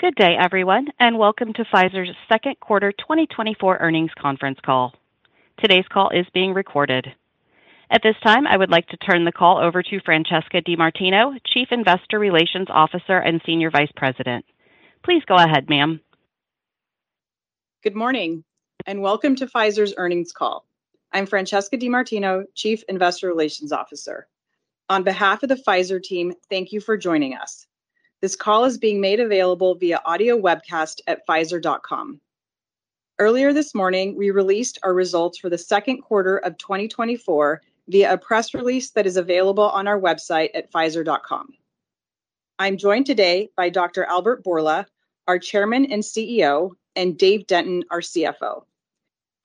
Good day, everyone, and welcome to Pfizer's second quarter 2024 earnings conference call. Today's call is being recorded. At this time, I would like to turn the call over to Francesca DeMartino, Chief Investor Relations Officer and Senior Vice President. Please go ahead, ma'am. Good morning, and welcome to Pfizer's earnings call. I'm Francesca DeMartino, Chief Investor Relations Officer. On behalf of the Pfizer team, thank you for joining us. This call is being made available via audio webcast at pfizer.com. Earlier this morning, we released our results for the second quarter of 2024 via a press release that is available on our website at pfizer.com. I'm joined today by Dr. Albert Bourla, our Chairman and CEO, and Dave Denton, our CFO.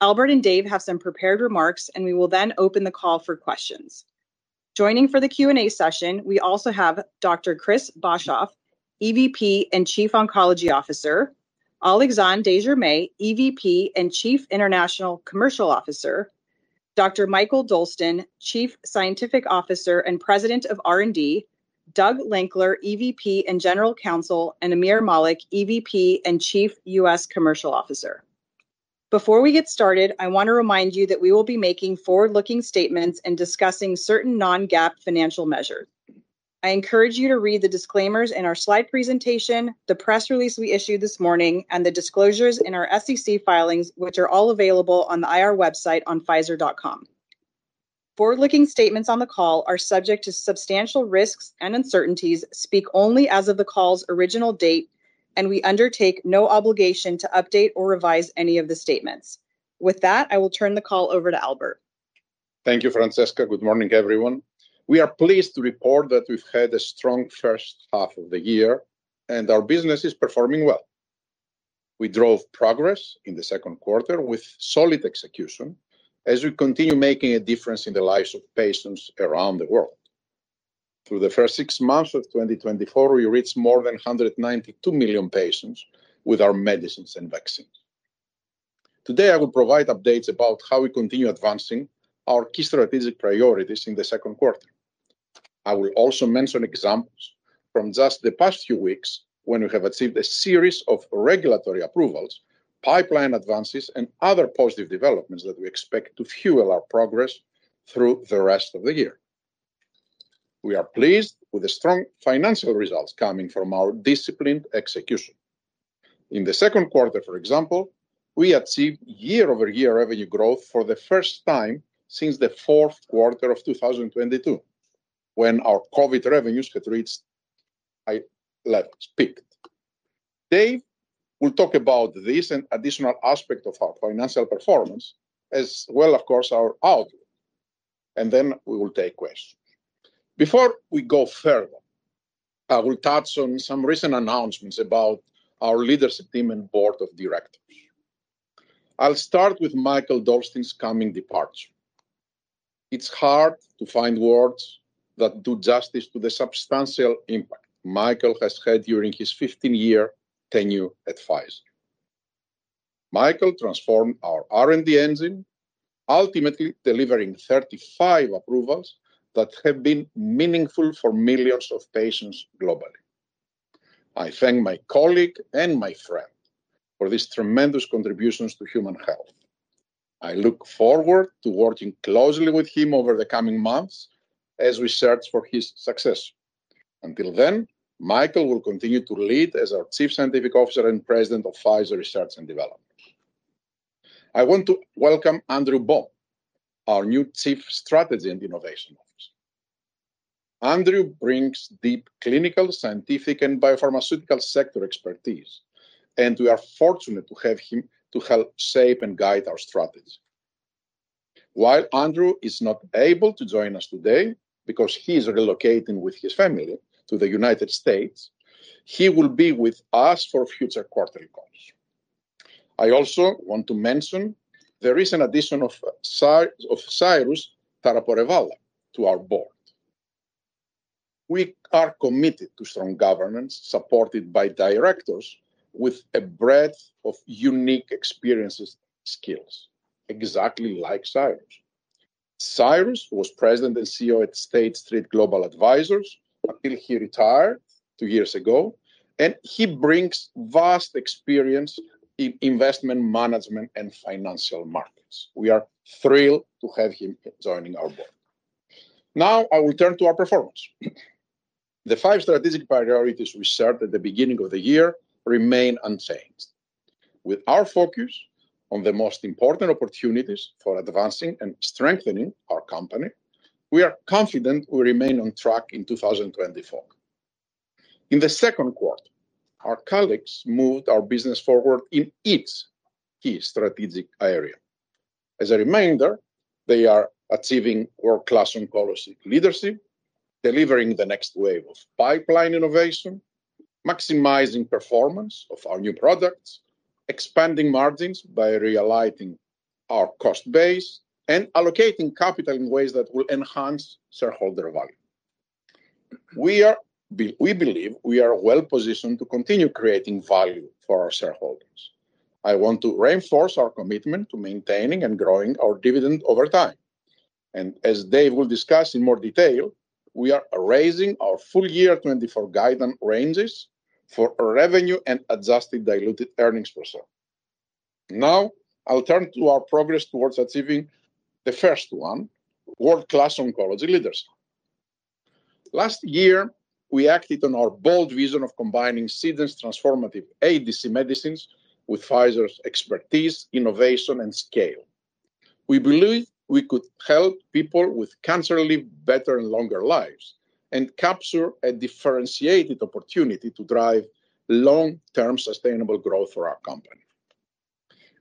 Albert and Dave have some prepared remarks, and we will then open the call for questions. Joining for the Q&A session, we also have Dr. Chris Boshoff, EVP and Chief Oncology Officer, Alexandre de Germay, EVP and Chief International Commercial Officer, Dr. Mikael Dolsten, Chief Scientific Officer and President of R&D, Doug Lankler, EVP and General Counsel, and Aamir Malik, EVP and Chief U.S. Commercial Officer. Before we get started, I wanna remind you that we will be making forward-looking statements and discussing certain non-GAAP financial measures. I encourage you to read the disclaimers in our slide presentation, the press release we issued this morning, and the disclosures in our SEC filings, which are all available on the IR website on Pfizer.com. Forward-looking statements on the call are subject to substantial risks and uncertainties, speak only as of the call's original date, and we undertake no obligation to update or revise any of the statements. With that, I will turn the call over to Albert. Thank you, Francesca. Good morning, everyone. We are pleased to report that we've had a strong first half of the year, and our business is performing well. We drove progress in the second quarter with solid execution as we continue making a difference in the lives of patients around the world. Through the first six months of 2024, we reached more than 192 million patients with our medicines and vaccines. Today, I will provide updates about how we continue advancing our key strategic priorities in the second quarter. I will also mention examples from just the past few weeks when we have achieved a series of regulatory approvals, pipeline advances, and other positive developments that we expect to fuel our progress through the rest of the year. We are pleased with the strong financial results coming from our disciplined execution. In the second quarter, for example, we achieved year-over-year revenue growth for the first time since the fourth quarter of 2022, when our COVID revenues had reached a, like, peaked. Dave will talk about this and additional aspect of our financial performance as well, of course, our outlook, and then we will take questions. Before we go further, I will touch on some recent announcements about our leadership team and board of directors. I'll start with Mikael Dolsten's coming departure. It's hard to find words that do justice to the substantial impact Mikael has had during his 15-year tenure at Pfizer. Mikael transformed our R&D engine, ultimately delivering 35 approvals that have been meaningful for millions of patients globally. I thank my colleague and my friend for his tremendous contributions to human health. I look forward to working closely with him over the coming months as we search for his successor. Until then, Mikael will continue to lead as our Chief Scientific Officer and President of Pfizer Research and Development. I want to welcome Andrew Kang, our new Chief Strategy and Innovation Officer. Andrew brings deep clinical, scientific, and biopharmaceutical sector expertise, and we are fortunate to have him to help shape and guide our strategy. While Andrew is not able to join us today, because he is relocating with his family to the United States, he will be with us for future quarterly calls. I also want to mention the recent addition of Cyrus Taraporevala to our board. We are committed to strong governance, supported by directors with a breadth of unique experiences, skills, exactly like Cyrus. Cyrus was President and CEO at State Street Global Advisors until he retired two years ago, and he brings vast experience in investment management and financial markets. We are thrilled to have him joining our board. Now, I will turn to our performance. The five strategic priorities we set at the beginning of the year remain unchanged. With our focus on the most important opportunities for advancing and strengthening our company, we are confident we remain on track in 2024. In the second quarter, our colleagues moved our business forward in each key strategic area. As a reminder, they are achieving world-class oncology leadership, delivering the next wave of pipeline innovation, maximizing performance of our new products, expanding margins by realigning our cost base, and allocating capital in ways that will enhance shareholder value. We believe we are well positioned to continue creating value for our shareholders. I want to reinforce our commitment to maintaining and growing our dividend over time, and as Dave will discuss in more detail, we are raising our full year 2024 guidance ranges for revenue and adjusted diluted earnings per share. Now, I'll turn to our progress towards achieving the first one, world-class oncology leaders. Last year, we acted on our bold vision of combining Seagen's transformative ADC medicines with Pfizer's expertise, innovation, and scale. We believed we could help people with cancer live better and longer lives, and capture a differentiated opportunity to drive long-term sustainable growth for our company.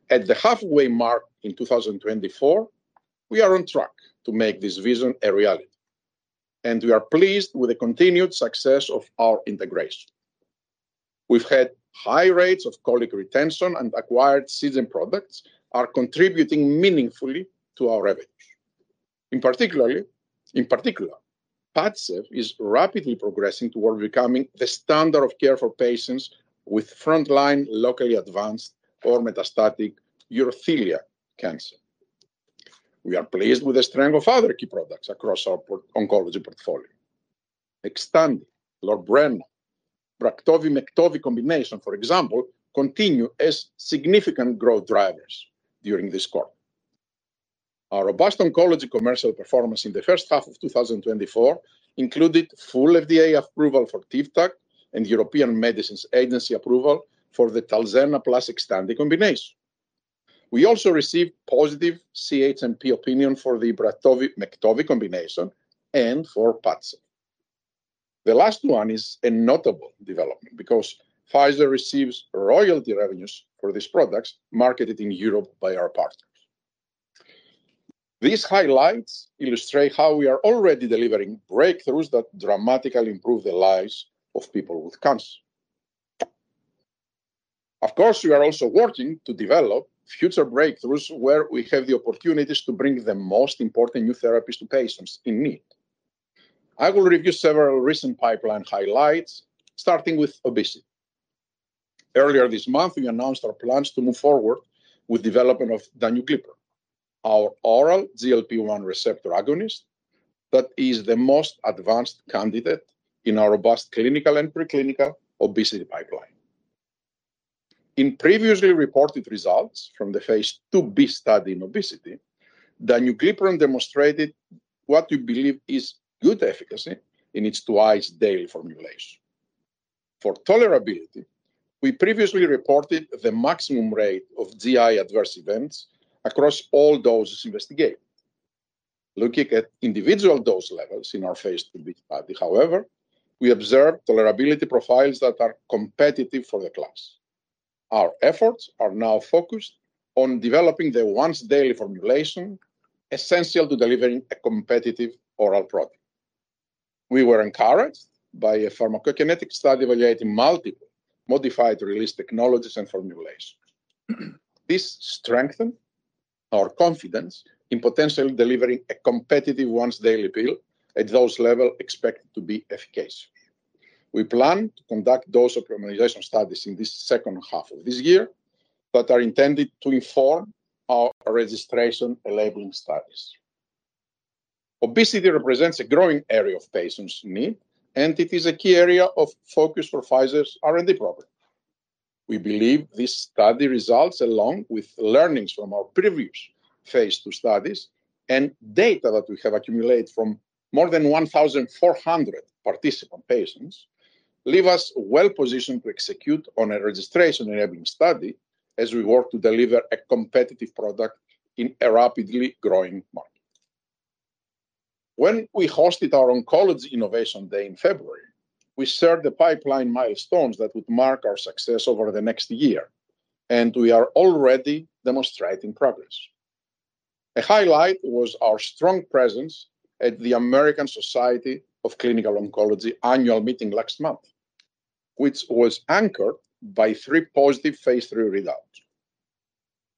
At the halfway mark in 2024, we are on track to make this vision a reality, and we are pleased with the continued success of our integration. We've had high rates of colleague retention, and acquired Seagen products are contributing meaningfully to our revenue. In particular, PADCEV is rapidly progressing toward becoming the standard of care for patients with frontline locally advanced or metastatic urothelial cancer. We are pleased with the strength of other key products across our oncology portfolio. Xtandi, Lorbrena, Braftovi, Mektovi combination, for example, continue as significant growth drivers during this quarter. Our robust oncology commercial performance in the first half of 2024 included full FDA approval for Tivtak and European Medicines Agency approval for the Talzenna plus Xtandi combination. We also received positive CHMP opinion for the Braftovi-Mektovi combination and for PADCEV. The last one is a notable development because Pfizer receives royalty revenues for these products marketed in Europe by our partners. These highlights illustrate how we are already delivering breakthroughs that dramatically improve the lives of people with cancer. Of course, we are also working to develop future breakthroughs where we have the opportunities to bring the most important new therapies to patients in need. I will review several recent pipeline highlights, starting with obesity. Earlier this month, we announced our plans to move forward with development of danuglipron, our oral GLP-1 receptor agonist that is the most advanced candidate in our robust clinical and preclinical obesity pipeline. In previously reported results from the phase II-B study in obesity, danuglipron demonstrated what we believe is good efficacy in its twice-daily formulation. For tolerability, we previously reported the maximum rate of GI adverse events across all doses investigated. Looking at individual dose levels in our phase II-B study, however, we observed tolerability profiles that are competitive for the class. Our efforts are now focused on developing the once-daily formulation, essential to delivering a competitive oral product. We were encouraged by a pharmacokinetic study evaluating multiple modified release technologies and formulations. This strengthened our confidence in potentially delivering a competitive once-daily pill at dose level expected to be efficacious. We plan to conduct dose optimization studies in this second half of this year, but are intended to inform our registration and labeling studies. Obesity represents a growing area of patients' need, and it is a key area of focus for Pfizer's R&D program. We believe these study results, along with learnings from our previous phase II studies and data that we have accumulated from more than 1,400 participant patients, leave us well-positioned to execute on a registration-enabling study as we work to deliver a competitive product in a rapidly growing market. When we hosted our Oncology Innovation Day in February, we shared the pipeline milestones that would mark our success over the next year, and we are already demonstrating progress. A highlight was our strong presence at the American Society of Clinical Oncology annual meeting last month, which was anchored by three positive phase III readouts.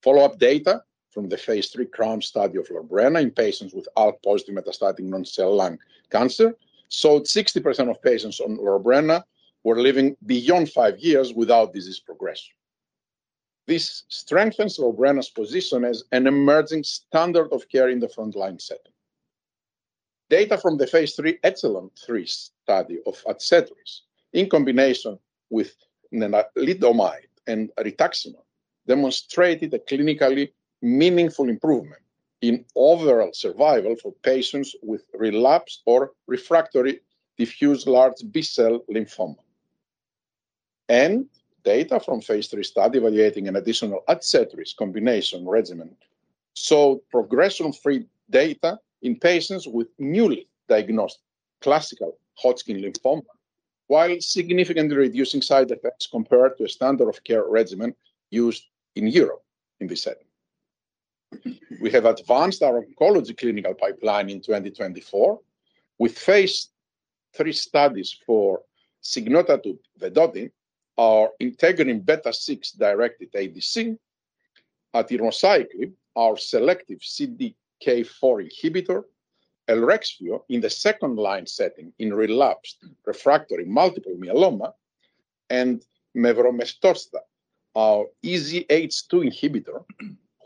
Follow-up data from the phase III CROWN study of Lorbrena in patients with ALK-positive metastatic non-small cell lung cancer showed 60% of patients on Lorbrena were living beyond 5 years without disease progression. This strengthens Lorbrena's position as an emerging standard of care in the frontline setting. Data from the phase III ECHELON-3 study of Adcetris, in combination with lenalidomide and rituximab, demonstrated a clinically meaningful improvement in overall survival for patients with relapsed or refractory diffuse large B-cell lymphoma. Data from phase III study evaluating an additional Adcetris combination regimen showed progression-free data in patients with newly diagnosed classical Hodgkin lymphoma, while significantly reducing side effects compared to a standard of care regimen used in Europe in this setting. We have advanced our oncology clinical pipeline in 2024 with phase III studies for sigvotatug vedotin, our integrin beta-6-directed ADC, atirmociclib, our selective CDK4 inhibitor, Elrexfio in the second-line setting in relapsed refractory multiple myeloma, and mevrometostat, our EZH2 inhibitor,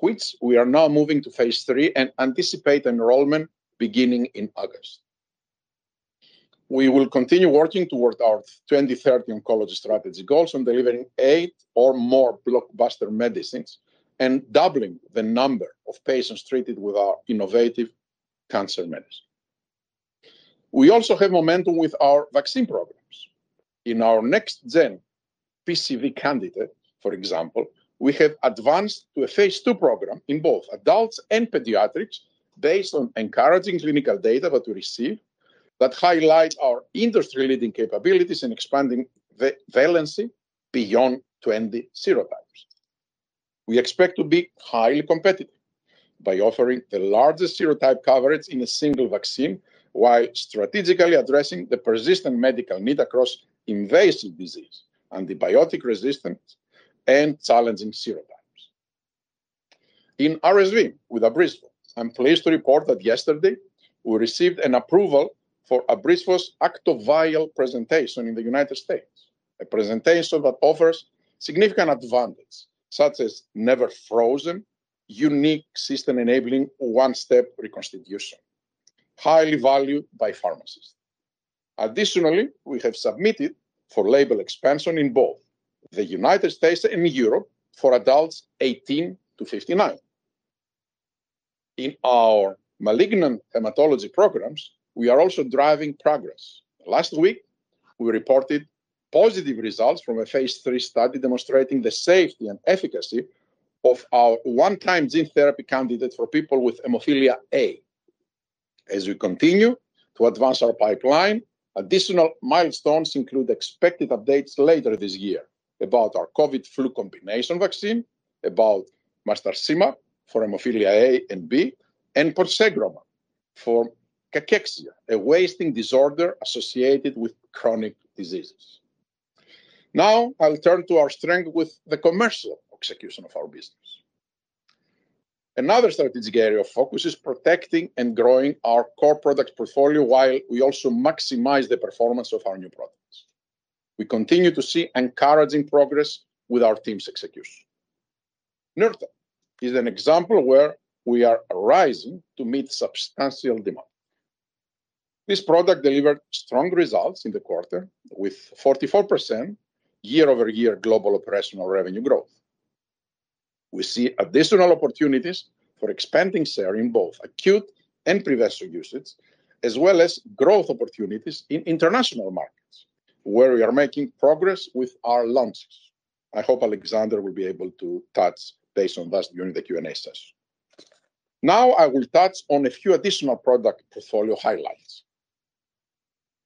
which we are now moving to phase III and anticipate enrollment beginning in August. We will continue working towards our 2030 oncology strategy goals on delivering eight or more blockbuster medicines, and doubling the number of patients treated with our innovative cancer medicine. We also have momentum with our vaccine programs. In our next-gen PCV candidate, for example, we have advanced to a phase II program in both adults and pediatrics, based on encouraging clinical data that we received, that highlights our industry-leading capabilities in expanding valency beyond 20 serotypes. We expect to be highly competitive by offering the largest serotype coverage in a single vaccine, while strategically addressing the persistent medical need across invasive disease, antibiotic resistance, and challenging serotypes. In RSV, with Abrysvo, I'm pleased to report that yesterday, we received an approval for Abrysvo's ActiVial presentation in the United States. A presentation that offers significant advantage, such as never frozen, unique system enabling one-step reconstitution, highly valued by pharmacists. Additionally, we have submitted for label expansion in both the United States and Europe for adults 18-59. In our malignant hematology programs, we are also driving progress. Last week, we reported positive results from a phase III study demonstrating the safety and efficacy of our one-time gene therapy candidate for people with hemophilia A. As we continue to advance our pipeline, additional milestones include expected updates later this year about our COVID flu combination vaccine, about marstacimab for hemophilia A and B, and for ponsegromab, for cachexia, a wasting disorder associated with chronic diseases. Now, I will turn to our strength with the commercial execution of our business. Another strategic area of focus is protecting and growing our core product portfolio, while we also maximize the performance of our new products. We continue to see encouraging progress with our team's execution. Nurtec is an example where we are rising to meet substantial demand. This product delivered strong results in the quarter, with 44% year-over-year global operational revenue growth. We see additional opportunities for expanding share in both acute and prevention usage, as well as growth opportunities in international markets, where we are making progress with our launches. I hope Alexander will be able to touch base on that during the Q&A session. Now, I will touch on a few additional product portfolio highlights.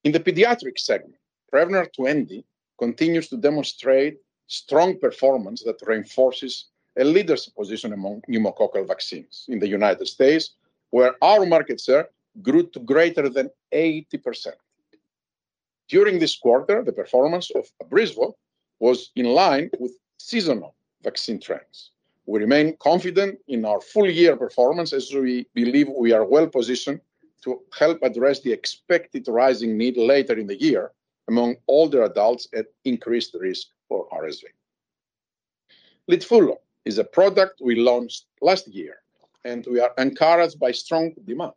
In the pediatric segment, Prevnar 20 continues to demonstrate strong performance that reinforces a leadership position among pneumococcal vaccines in the United States, where our market share grew to greater than 80%. During this quarter, the performance of Abrysvo was in line with seasonal vaccine trends. We remain confident in our full-year performance, as we believe we are well-positioned to help address the expected rising need later in the year among older adults at increased risk for RSV. Litfulo is a product we launched last year, and we are encouraged by strong demand.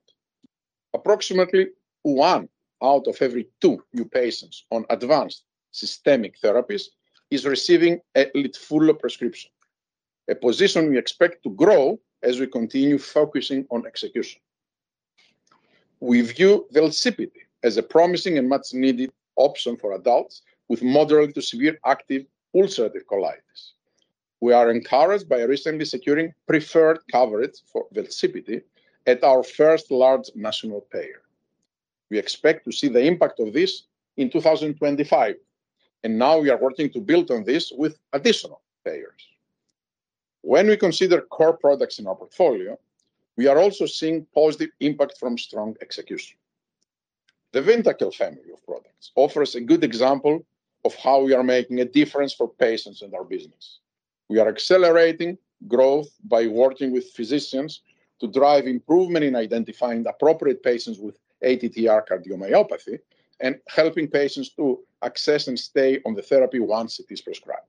Approximately one out of every two new patients on advanced systemic therapies is receiving a Litfulo prescription, a position we expect to grow as we continue focusing on execution. We view Velsipity as a promising and much-needed option for adults with moderate to severe active ulcerative colitis. We are encouraged by recently securing preferred coverage for Velsipity at our first large national payer. We expect to see the impact of this in 2025, and now we are working to build on this with additional payers. When we consider core products in our portfolio, we are also seeing positive impact from strong execution. The Vyndaqel family of products offers a good example of how we are making a difference for patients in our business. We are accelerating growth by working with physicians to drive improvement in identifying the appropriate patients with ATTR cardiomyopathy, and helping patients to access and stay on the therapy once it is prescribed.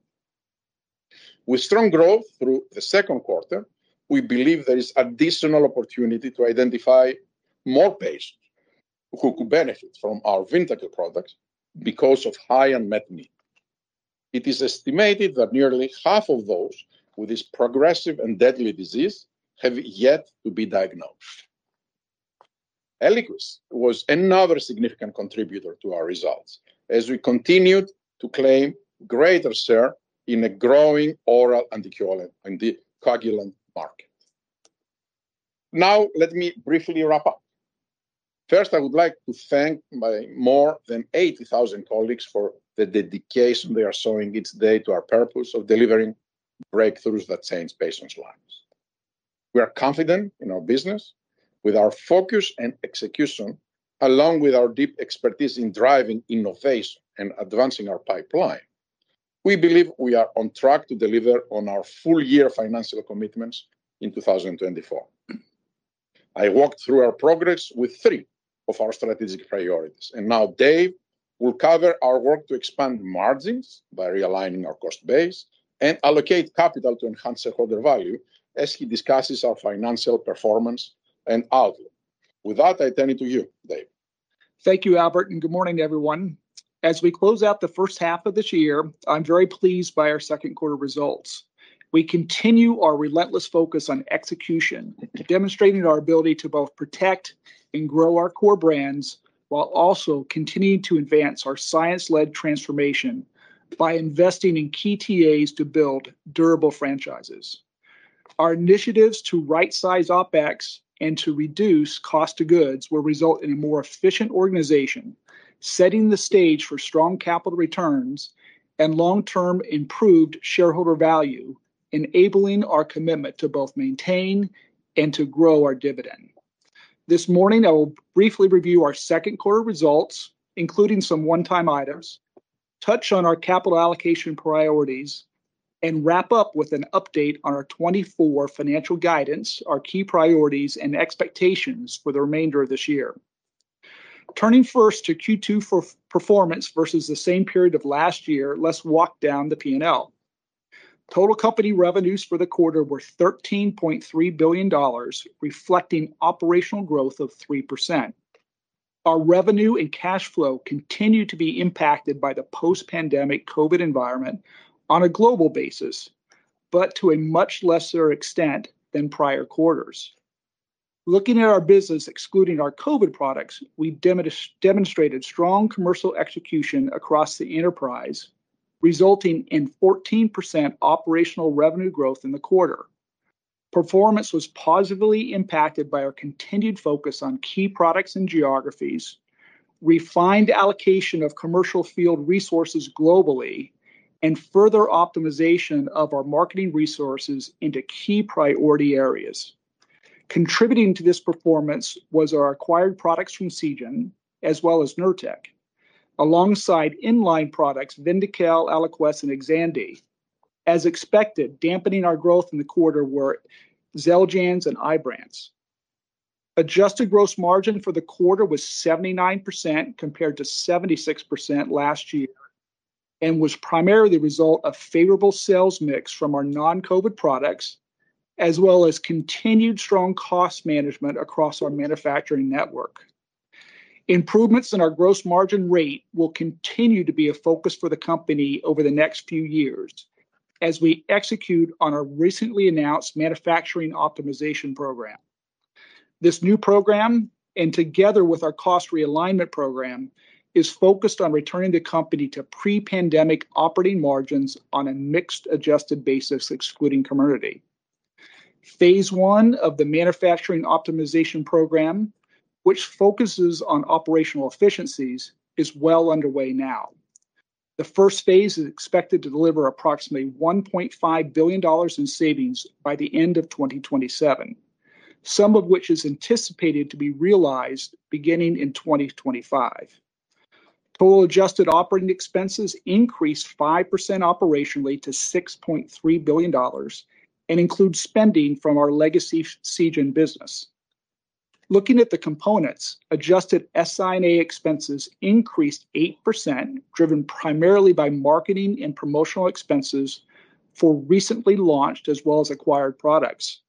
With strong growth through the second quarter, we believe there is additional opportunity to identify more patients who could benefit from our Vyndaqel products because of high unmet need. It is estimated that nearly half of those with this progressive and deadly disease have yet to be diagnosed. Eliquis was another significant contributor to our results, as we continued to claim greater share in a growing oral anticoagulant, anticoagulant market. Now, let me briefly wrap up. First, I would like to thank my more than 80,000 colleagues for the dedication they are showing each day to our purpose of delivering breakthroughs that change patients' lives. We are confident in our business. With our focus and execution, along with our deep expertise in driving innovation and advancing our pipeline, we believe we are on track to deliver on our full-year financial commitments in 2024. I walked through our progress with three of our strategic priorities, and now Dave will cover our work to expand margins by realigning our cost base and allocate capital to enhance shareholder value, as he discusses our financial performance and outlook. With that, I turn it to you, Dave. Thank you, Albert, and good morning to everyone. As we close out the first half of this year, I'm very pleased by our second quarter results. We continue our relentless focus on execution, demonstrating our ability to both protect and grow our core brands, while also continuing to advance our science-led transformation by investing in key TAs to build durable franchises. Our initiatives to rightsize OpEx and to reduce cost of goods will result in a more efficient organization, setting the stage for strong capital returns and long-term improved shareholder value, enabling our commitment to both maintain and to grow our dividend. This morning, I will briefly review our second quarter results, including some one-time items, touch on our capital allocation priorities, and wrap up with an update on our 2024 financial guidance, our key priorities, and expectations for the remainder of this year. Turning first to Q2 for performance versus the same period of last year, let's walk down the P&L. Total company revenues for the quarter were $13.3 billion, reflecting operational growth of 3%. Our revenue and cash flow continue to be impacted by the post-pandemic COVID environment on a global basis, but to a much lesser extent than prior quarters. Looking at our business, excluding our COVID products, we demonstrated strong commercial execution across the enterprise, resulting in 14% operational revenue growth in the quarter. Performance was positively impacted by our continued focus on key products and geographies, refined allocation of commercial field resources globally, and further optimization of our marketing resources into key priority areas. Contributing to this performance was our acquired products from Seagen, as well as Nurtec, alongside in-line products, Vyndaqel, Eliquis, and Xtandi. As expected, dampening our growth in the quarter were Xeljanz and Ibrance. Adjusted gross margin for the quarter was 79%, compared to 76% last year, and was primarily the result of favorable sales mix from our non-COVID products, as well as continued strong cost management across our manufacturing network. Improvements in our gross margin rate will continue to be a focus for the company over the next few years as we execute on our recently announced manufacturing optimization program. This new program, and together with our cost realignment program, is focused on returning the company to pre-pandemic operating margins on a mixed adjusted basis, excluding COMIRNATY. Phase I of the manufacturing optimization program, which focuses on operational efficiencies, is well underway now. The first phase is expected to deliver approximately $1.5 billion in savings by the end of 2027, some of which is anticipated to be realized beginning in 2025. Total adjusted operating expenses increased 5% operationally to $6.3 billion and includes spending from our legacy Seagen business. Looking at the components, adjusted SI&A expenses increased 8%, driven primarily by marketing and promotional expenses for recently launched as well as acquired products.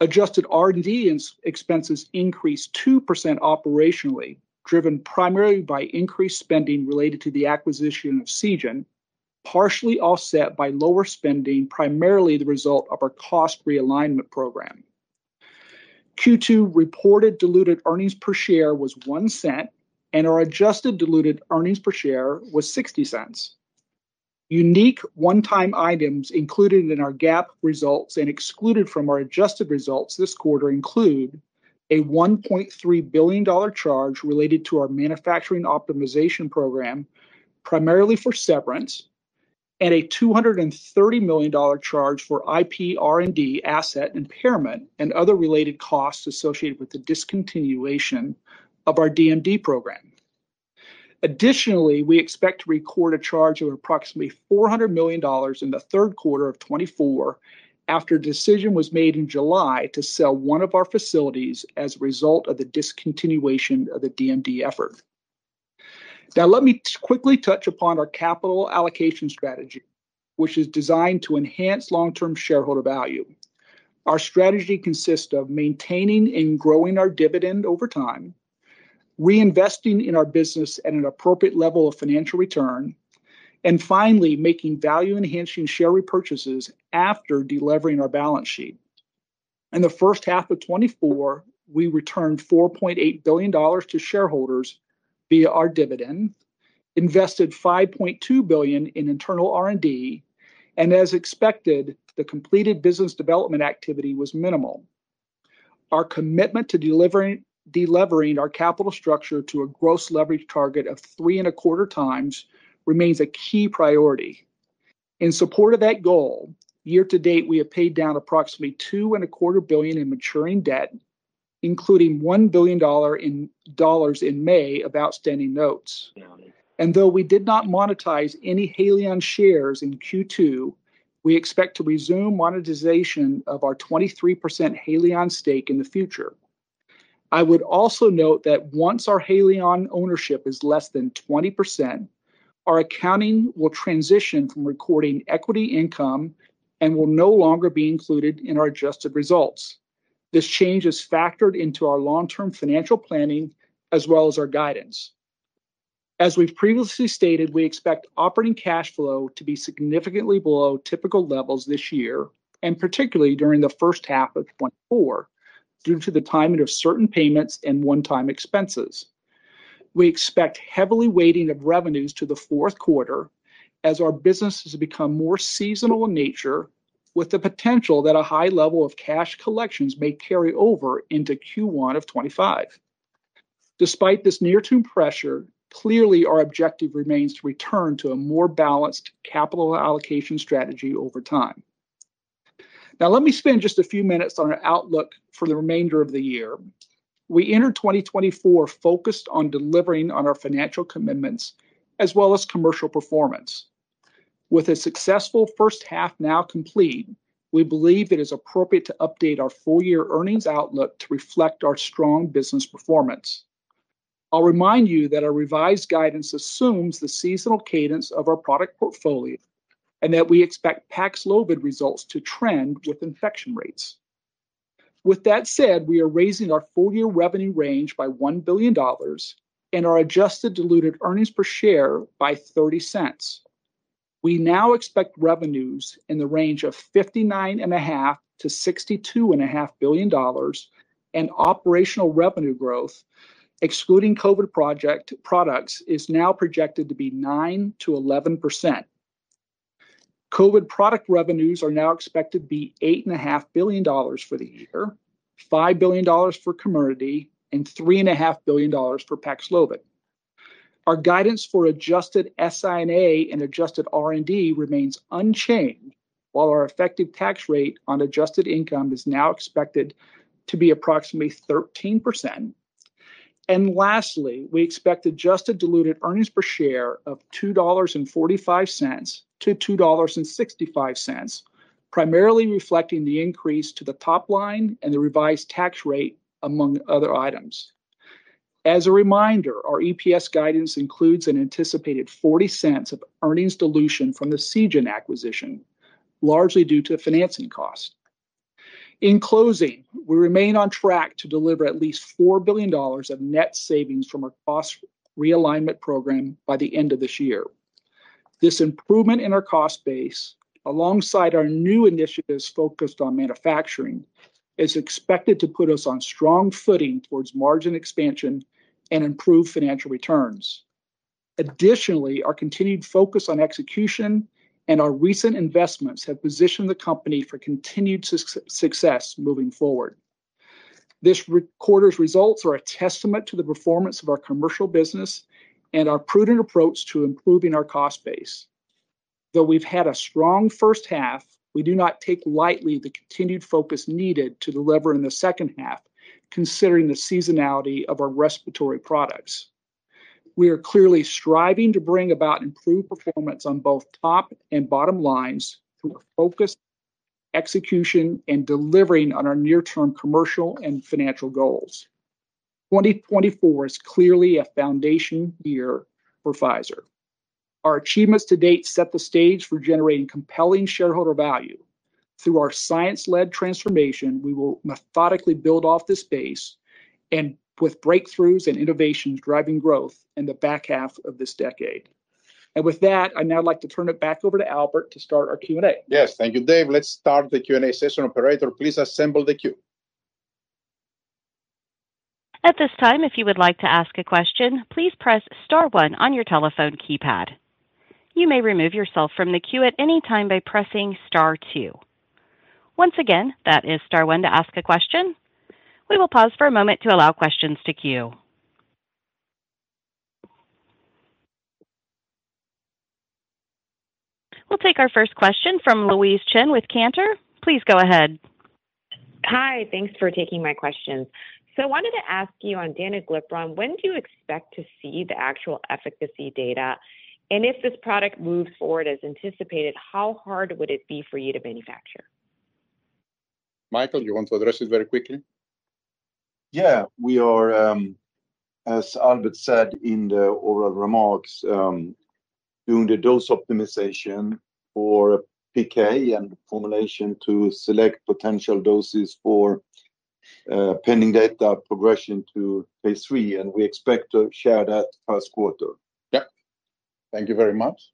Adjusted R&D expenses increased 2% operationally, driven primarily by increased spending related to the acquisition of Seagen, partially offset by lower spending, primarily the result of our cost realignment program. Q2 reported diluted earnings per share was $0.01, and our adjusted diluted earnings per share was $0.60. Unique one-time items included in our GAAP results and excluded from our adjusted results this quarter include a $1.3 billion charge related to our manufacturing optimization program, primarily for severance, and a $230 million charge for IP R&D, asset impairment, and other related costs associated with the discontinuation of our DMD program. Additionally, we expect to record a charge of approximately $400 million in the third quarter of 2024 after a decision was made in July to sell one of our facilities as a result of the discontinuation of the DMD effort. Now, let me quickly touch upon our capital allocation strategy, which is designed to enhance long-term shareholder value. Our strategy consists of maintaining and growing our dividend over time, reinvesting in our business at an appropriate level of financial return, and finally, making value-enhancing share repurchases after delevering our balance sheet. In the first half of 2024, we returned $4.8 billion to shareholders via our dividend, invested $5.2 billion in internal R&D, and as expected, the completed business development activity was minimal. Our commitment to delevering our capital structure to a gross leverage target of 3.25x remains a key priority. In support of that goal, year to date, we have paid down approximately $2.25 billion in maturing debt, including $1 billion in May of outstanding notes, and though we did not monetize any Haleon shares in Q2, we expect to resume monetization of our 23% Haleon stake in the future. I would also note that once our Haleon ownership is less than 20%, our accounting will transition from recording equity income and will no longer be included in our adjusted results. This change is factored into our long-term financial planning, as well as our guidance. As we've previously stated, we expect operating cash flow to be significantly below typical levels this year, and particularly during the first half of 2024, due to the timing of certain payments and one-time expenses. We expect heavily weighting of revenues to the fourth quarter as our business has become more seasonal in nature, with the potential that a high level of cash collections may carry over into Q1 of 2025. Despite this near-term pressure, clearly our objective remains to return to a more balanced capital allocation strategy over time. Now, let me spend just a few minutes on our outlook for the remainder of the year. We entered 2024 focused on delivering on our financial commitments, as well as commercial performance. With a successful first half now complete, we believe it is appropriate to update our full-year earnings outlook to reflect our strong business performance. I'll remind you that our revised guidance assumes the seasonal cadence of our product portfolio, and that we expect PAXLOVID results to trend with infection rates. With that said, we are raising our full-year revenue range by $1 billion and our adjusted diluted earnings per share by $0.30. We now expect revenues in the range of $59.5 billion-$62.5 billion, and operational revenue growth, excluding COVID products, is now projected to be 9%-11%. COVID product revenues are now expected to be $8.5 billion for the year, $5 billion for Comirnaty, and $3.5 billion for PAXLOVID. Our guidance for adjusted SI&A and adjusted R&D remains unchanged, while our effective tax rate on adjusted income is now expected to be approximately 13%. Lastly, we expect adjusted diluted earnings per share of $2.45-2.65, primarily reflecting the increase to the top line and the revised tax rate, among other items. As a reminder, our EPS guidance includes an anticipated $0.40 of earnings dilution from the Seagen acquisition, largely due to financing costs. In closing, we remain on track to deliver at least $4 billion of net savings from our cost realignment program by the end of this year. This improvement in our cost base, alongside our new initiatives focused on manufacturing, is expected to put us on strong footing towards margin expansion and improved financial returns. Additionally, our continued focus on execution and our recent investments have positioned the company for continued success moving forward. This quarter's results are a testament to the performance of our commercial business and our prudent approach to improving our cost base. Though we've had a strong first half, we do not take lightly the continued focus needed to deliver in the second half, considering the seasonality of our respiratory products. We are clearly striving to bring about improved performance on both top and bottom lines through a focused execution and delivering on our near-term commercial and financial goals. 2024 is clearly a foundation year for Pfizer. Our achievements to date set the stage for generating compelling shareholder value. Through our science-led transformation, we will methodically build off this base, and with breakthroughs and innovations driving growth in the back half of this decade. With that, I'd now like to turn it back over to Albert to start our Q&A. Yes. Thank you, Dave. Let's start the Q&A session. Operator, please assemble the queue. At this time, if you would like to ask a question, please press star one on your telephone keypad. You may remove yourself from the queue at any time by pressing star two. Once again, that is star one to ask a question. We will pause for a moment to allow questions to queue. We'll take our first question from Louise Chen with Cantor. Please go ahead. Hi, thanks for taking my question. So I wanted to ask you on danuglipron, when do you expect to see the actual efficacy data? And if this product moves forward as anticipated, how hard would it be for you to manufacture? Mikael, you want to address it very quickly? Yeah. We are, as Albert said in the oral remarks, doing the dose optimization for PK and formulation to select potential doses for, pending data progression to phase III, and we expect to share that first quarter. Yep. Thank you very much.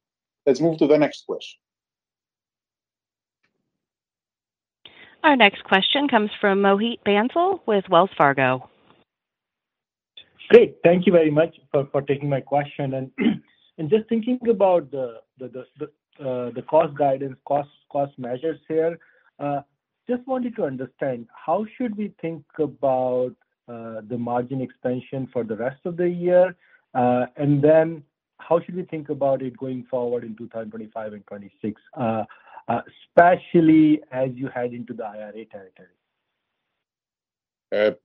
Let's move to the next question. Our next question comes from Mohit Bansal with Wells Fargo. Great. Thank you very much for, for taking my question. And, and just thinking about the, the, the, the, the cost guidance, cost, cost measures here, just wanted to understand, how should we think about the margin expansion for the rest of the year? And then how should we think about it going forward in 2025 and 2026, especially as you head into the IRA territory?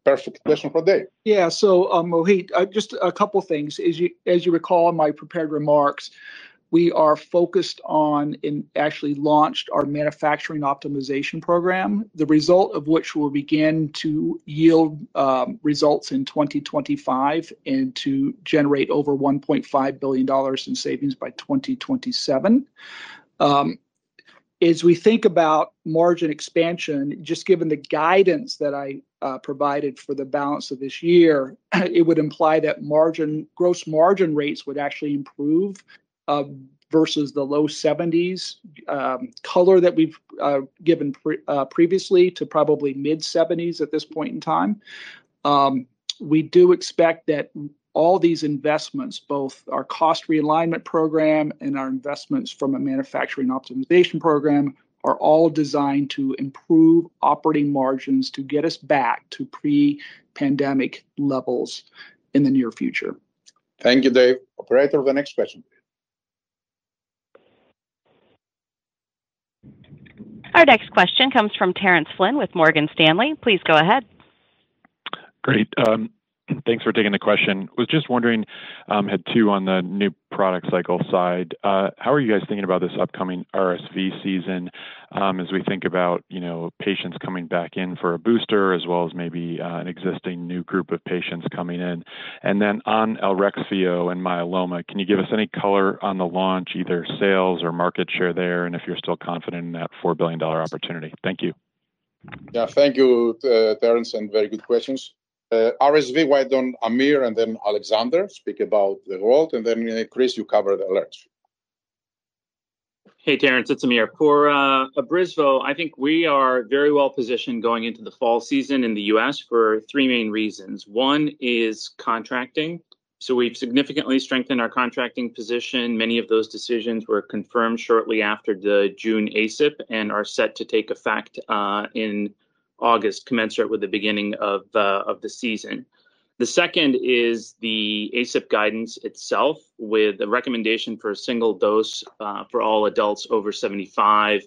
Perfect question for Dave. Yeah. So, Mohit, just a couple things. As you, as you recall in my prepared remarks, we are focused on, and actually launched our manufacturing optimization program, the result of which will begin to yield results in 2025 and to generate over $1.5 billion in savings by 2027. As we think about margin expansion, just given the guidance that I provided for the balance of this year, it would imply that margin gross margin rates would actually improve versus the low 70s color that we've given previously to probably mid-70s at this point in time. We do expect that all these investments, both our cost realignment program and our investments from a manufacturing optimization program, are all designed to improve operating margins to get us back to pre-pandemic levels in the near future. Thank you, Dave. Operator, the next question, please. Our next question comes from Terence Flynn with Morgan Stanley. Please go ahead. Great. Thanks for taking the question. Was just wondering, had two on the new product cycle side. How are you guys thinking about this upcoming RSV season, as we think about, you know, patients coming back in for a booster, as well as maybe, an existing new group of patients coming in? And then on Elrexfio and myeloma, can you give us any color on the launch, either sales or market share there, and if you're still confident in that $4 billion opportunity? Thank you. Yeah. Thank you, Terence, and very good questions. RSV, why don't Aamir and then Alexandre speak about the world, and then, Chris, you cover the Elrexfio. Hey, Terence, it's Aamir. For Abrysvo, I think we are very well positioned going into the fall season in the U.S. for three main reasons. One is contracting, so we've significantly strengthened our contracting position. Many of those decisions were confirmed shortly after the June ACIP and are set to take effect in August, commensurate with the beginning of the season. The second is the ACIP guidance itself, with the recommendation for a single dose for all adults over 75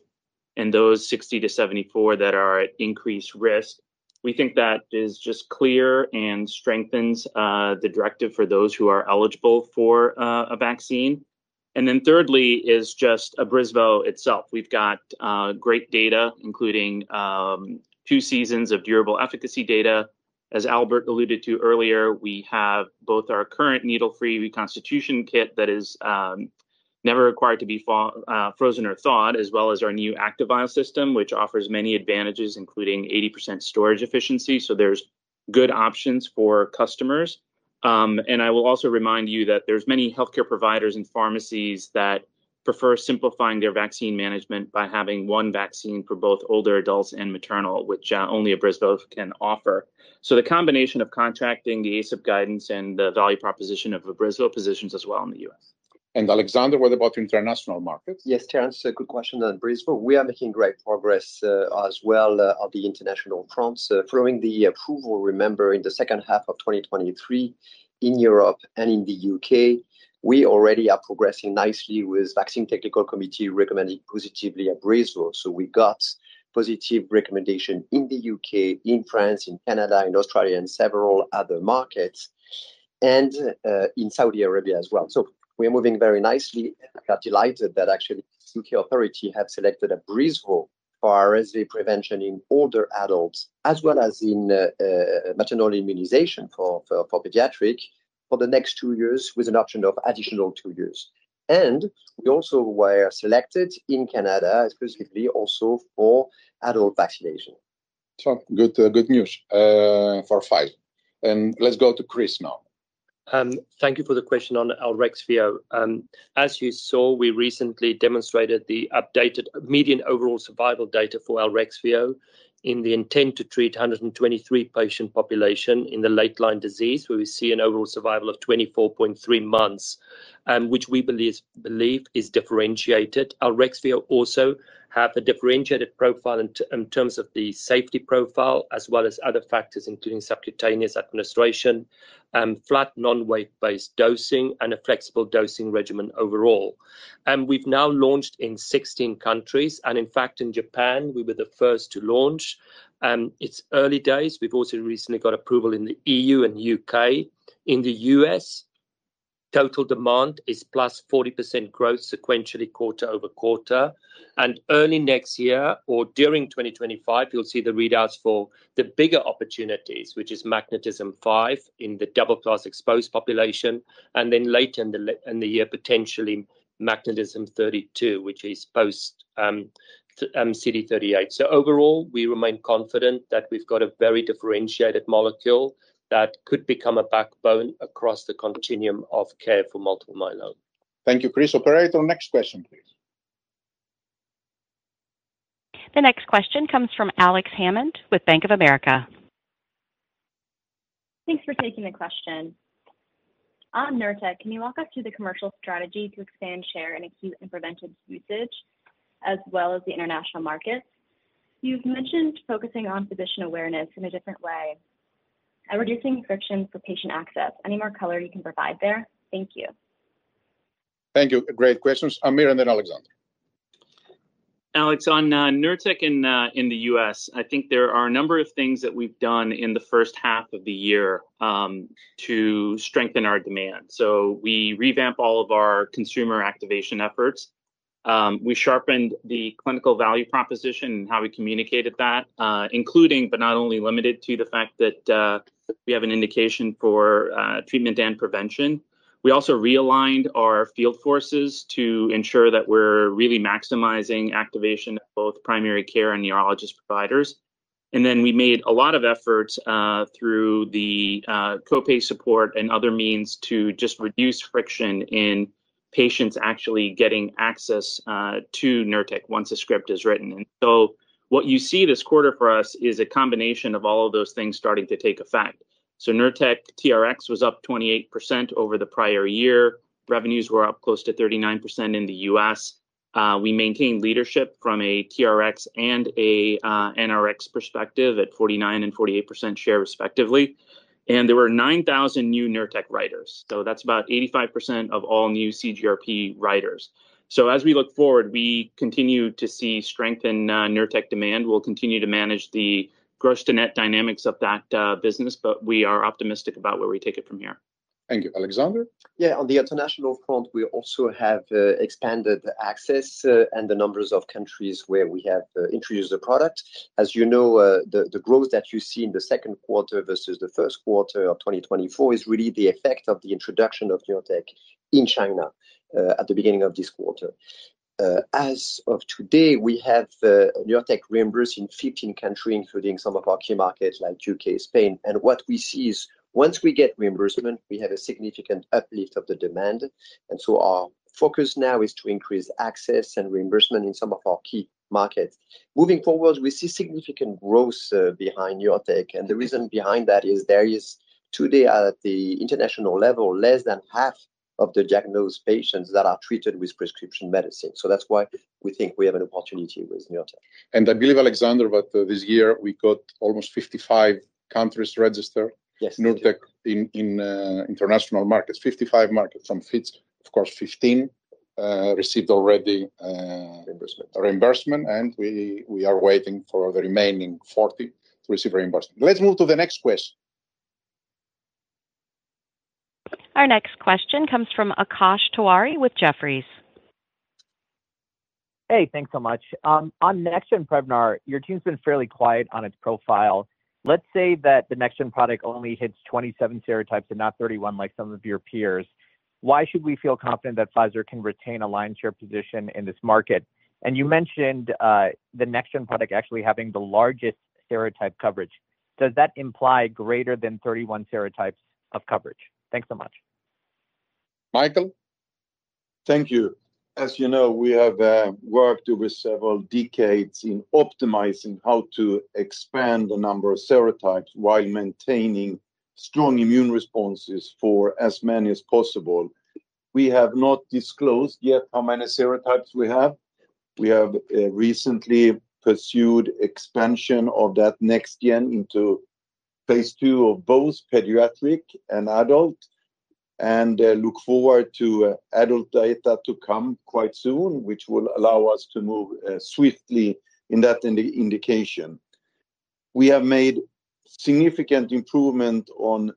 and those 60 to 74 that are at increased risk. We think that is just clear and strengthens the directive for those who are eligible for a vaccine. And then thirdly is just Abrysvo itself. We've got great data, including two seasons of durable efficacy data. As Albert alluded to earlier, we have both our current needle-free reconstitution kit that is never required to be frozen or thawed, as well as our new ActiVial system, which offers many advantages, including 80% storage efficiency, so there's good options for customers. And I will also remind you that there's many healthcare providers and pharmacies that prefer simplifying their vaccine management by having one vaccine for both older adults and maternal, which only Abrysvo can offer. So the combination of contracting, the ACIP guidance, and the value proposition of Abrysvo positions us well in the U.S. Alexandre, what about international markets? Yes, Terence, a good question on Abrysvo. We are making great progress, as well, on the international fronts. Following the approval, remember, in the second half of 2023, in Europe and in the U.K., we already are progressing nicely with Vaccine Technical Committee recommending positively Abrysvo. So we got positive recommendation in the U.K., in France, in Canada, in Australia, and several other markets, and in Saudi Arabia as well. So we are moving very nicely, and we are delighted that actually U.K. authority have selected Abrysvo for RSV prevention in older adults, as well as in maternal immunization for pediatric for the next 2 years, with an option of additional 2 years. And we also were selected in Canada specifically also for adult vaccination. So, good news for five. And let's go to Chris now. Thank you for the question on Elrexfio. As you saw, we recently demonstrated the updated median overall survival data for Elrexfio in the intent-to-treat 123 patient population in the late-line disease, where we see an overall survival of 24.3 months, which we believe is differentiated. Elrexfio also have a differentiated profile in terms of the safety profile, as well as other factors, including subcutaneous administration, flat, non-weight-based dosing, and a flexible dosing regimen overall. And we've now launched in 16 countries, and in fact, in Japan, we were the first to launch. It's early days. We've also recently got approval in the EU and U.K. In the U.S., total demand is +40% growth sequentially quarter-over-quarter. Early next year, or during 2025, you'll see the readouts for the bigger opportunities, which is MagnetisMM-5 in the double class exposed population, and then later in the year, potentially MagnetisMM-32, which is post CD38. So overall, we remain confident that we've got a very differentiated molecule that could become a backbone across the continuum of care for multiple myeloma. Thank you, Chris. Operator, next question, please. The next question comes from Alex Hammond with Bank of America. Thanks for taking the question. On Nurtec, can you walk us through the commercial strategy to expand share in acute and preventive usage, as well as the international markets? You've mentioned focusing on physician awareness in a different way and reducing friction for patient access. Any more color you can provide there? Thank you. Thank you. Great questions. Aamir and then Alexandre. Alex, on Nurtec in the U.S., I think there are a number of things that we've done in the first half of the year to strengthen our demand. So we revamped all of our consumer activation efforts. We sharpened the clinical value proposition and how we communicated that, including, but not only limited to, the fact that we have an indication for treatment and prevention. We also realigned our field forces to ensure that we're really maximizing activation of both primary care and neurologist providers, and then we made a lot of efforts through the co-pay support and other means to just reduce friction in patients actually getting access to Nurtec once a script is written. And so what you see this quarter for us is a combination of all of those things starting to take effect. So Nurtec TRX was up 28% over the prior year. Revenues were up close to 39% in the U.S.. We maintained leadership from a TRX and a NRX perspective at 49 and 48% share respectively, and there were 9,000 new Nurtec writers. So that's about 85% of all new CGRP writers. So as we look forward, we continue to see strength in Nurtec demand. We'll continue to manage the gross to net dynamics of that business, but we are optimistic about where we take it from here. Thank you. Alexandre? Yeah, on the international front, we also have expanded the access and the numbers of countries where we have introduced the product. As you know, the growth that you see in the second quarter versus the first quarter of 2024 is really the effect of the introduction of Nurtec in China at the beginning of this quarter. As of today, we have Nurtec reimbursing 15 countries, including some of our key markets like U.K., Spain. And what we see is once we get reimbursement, we have a significant uplift of the demand, and so our focus now is to increase access and reimbursement in some of our key markets. Moving forward, we see significant growth behind Nurtec, and the reason behind that is there is, today, at the international level, less than half of the diagnosed patients that are treated with prescription medicine. So that's why we think we have an opportunity with Nurtec. I believe, Alexandre, but this year we got almost 55 countries registered- Yes... Nurtec in international markets. 55 markets, from which, of course, 15 received already, Reimbursement reimbursement, and we are waiting for the remaining 40 to receive reimbursement. Let's move to the next question. Our next question comes from Akash Tiwari with Jefferies. Hey, thanks so much. On next gen Prevnar, your team's been fairly quiet on its profile. Let's say that the next gen product only hits 27 serotypes and not 31, like some of your peers. Why should we feel confident that Pfizer can retain a line share position in this market? And you mentioned, the next gen product actually having the largest serotype coverage. Does that imply greater than 31 serotypes of coverage? Thanks so much. Mikael? Thank you. As you know, we have worked over several decades in optimizing how to expand the number of serotypes while maintaining strong immune responses for as many as possible. We have not disclosed yet how many serotypes we have. We have recently pursued expansion of that next gen into phase II of both pediatric and adult, and look forward to adult data to come quite soon, which will allow us to move swiftly in that indication. We have made significant improvement on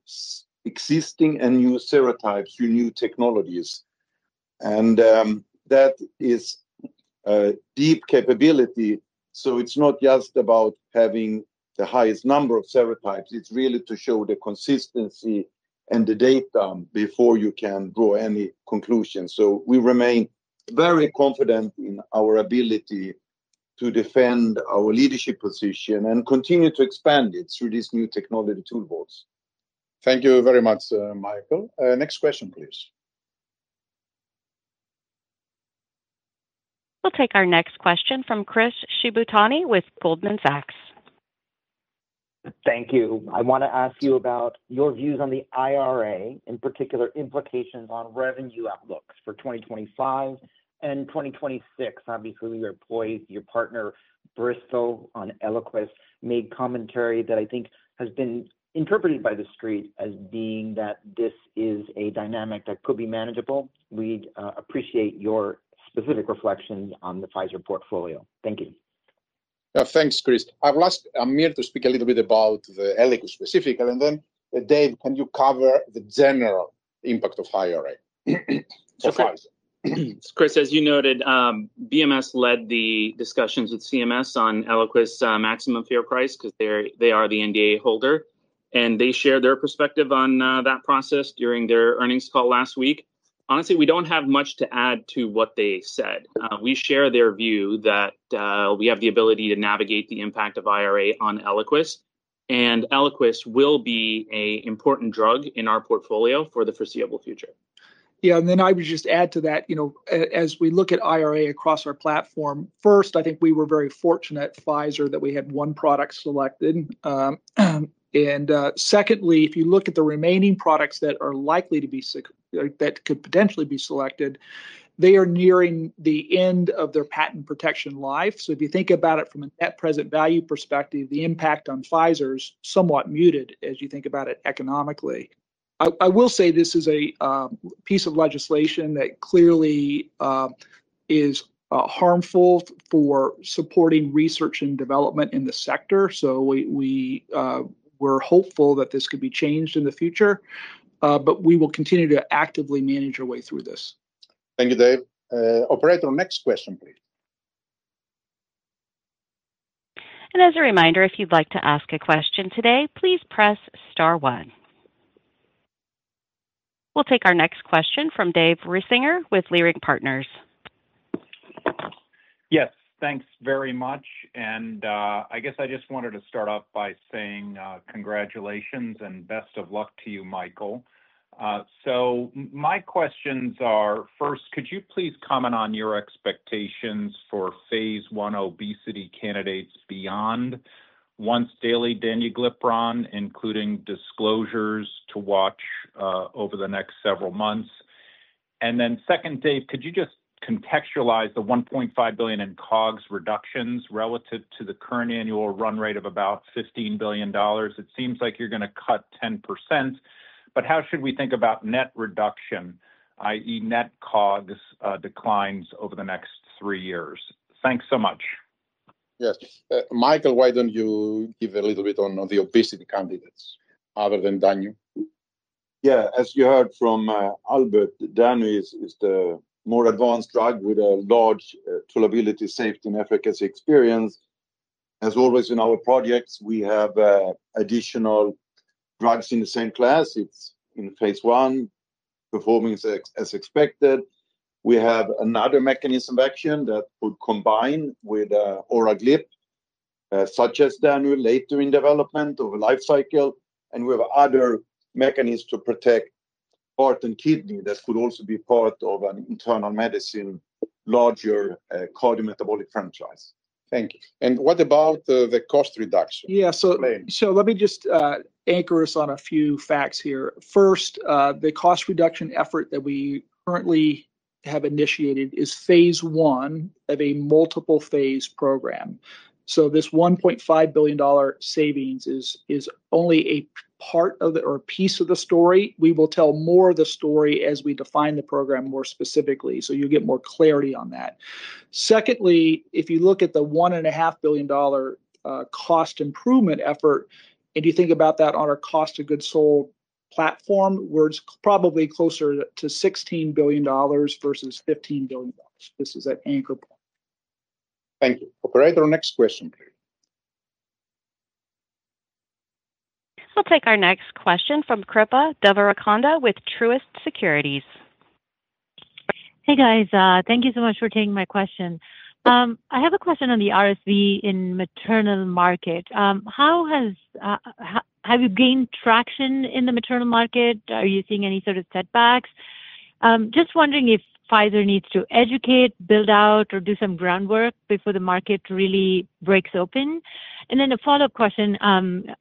existing and new serotypes through new technologies, and that is a deep capability. So it's not just about having the highest number of serotypes, it's really to show the consistency and the data before you can draw any conclusions. We remain very confident in our ability to defend our leadership position and continue to expand it through these new technology tool belts. Thank you very much, Mikael. Next question, please. We'll take our next question from Chris Shibutani with Goldman Sachs. Thank you. I wanna ask you about your views on the IRA, in particular, implications on revenue outlooks for 2025 and 2026. Obviously, your employee- your partner, Bristol, on Eliquis, made commentary that I think has been interpreted by the Street as being that this is a dynamic that could be manageable. We'd appreciate your specific reflections on the Pfizer portfolio. Thank you. Thanks, Chris. I'll ask Aamir to speak a little bit about the Eliquis specific, and then, Dave, can you cover the general impact of IRA—for Pfizer? Chris, as you noted, BMS led the discussions with CMS on Eliquis's maximum fair price, 'cause they're, they are the NDA holder, and they shared their perspective on that process during their earnings call last week. Honestly, we don't have much to add to what they said. We share their view that we have the ability to navigate the impact of IRA on Eliquis, and Eliquis will be a important drug in our portfolio for the foreseeable future. Yeah, and then I would just add to that, you know, as we look at IRA across our platform, first, I think we were very fortunate at Pfizer that we had one product selected. Second, if you look at the remaining products that are likely to be selected, they are nearing the end of their patent protection life. So if you think about it from a net present value perspective, the impact on Pfizer's somewhat muted, as you think about it economically. I will say this is a piece of legislation that clearly is harmful for supporting research and development in the sector. So we're hopeful that this could be changed in the future, but we will continue to actively manage our way through this. Thank you, Dave. Operator, next question, please. As a reminder, if you'd like to ask a question today, please press star one. We'll take our next question from David Risinger with Leerink Partners. Yes, thanks very much, and, I guess I just wanted to start off by saying, congratulations and best of luck to you, Mikael. So my questions are, first, could you please comment on your expectations for phase I obesity candidates beyond once-daily danuglipron, including disclosures to watch, over the next several months? And then second, Dave, could you just contextualize the $1.5 billion in COGS reductions relative to the current annual run rate of about $15 billion? It seems like you're gonna cut 10%, but how should we think about net reduction, i.e., net COGS, declines over the next 3 years? Thanks so much. Yes. Mikael, why don't you give a little bit on the obesity candidates other than Danu? Yeah, as you heard from Albert, danuglipron is the more advanced drug with a large tolerability, safety, and efficacy experience. As always, in our projects, we have additional drugs in the same class. It's in phase I, performing as expected. We have another mechanism of action that would combine with oral GLP, such as danuglipron, later in development of a life cycle, and we have other mechanisms to protect heart and kidney that could also be part of an internal medicine, larger cardiometabolic franchise. Thank you. What about the cost reduction? Yeah, so- Please... so let me just anchor us on a few facts here. First, the cost reduction effort that we currently have initiated is phase I of a multiple-phase program. So this $1.5 billion savings is, is only a part of the or a piece of the story. We will tell more of the story as we define the program more specifically, so you'll get more clarity on that. Secondly, if you look at the $1.5 billion cost improvement effort, and you think about that on our cost of goods sold platform, where it's probably closer to $16 billion versus $15 billion, this is an anchor point. Thank you. Operator, next question, please. We'll take our next question from Kripa Devarakonda with Truist Securities. Hey, guys. Thank you so much for taking my question. I have a question on the RSV in maternal market. How have you gained traction in the maternal market? Are you seeing any sort of setbacks? Just wondering if Pfizer needs to educate, build out, or do some groundwork before the market really breaks open. And then a follow-up question, on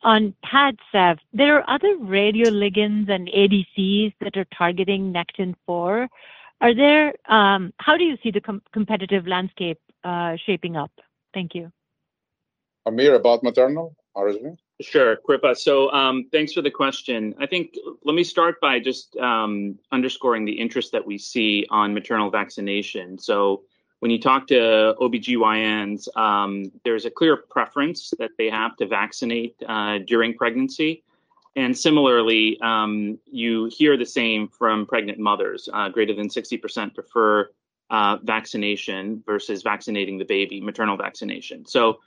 PADCEV. There are other radioligands and ADCs that are targeting Nectin-4. Are there... How do you see the competitive landscape, shaping up? Thank you. Aamir, about maternal RSV? Sure, Kripa. So, thanks for the question. I think let me start by just underscoring the interest that we see on maternal vaccination. So when you talk to OBGYNs, there's a clear preference that they have to vaccinate during pregnancy, and similarly, you hear the same from pregnant mothers. Greater than 60% prefer vaccination versus vaccinating the baby, maternal vaccination. So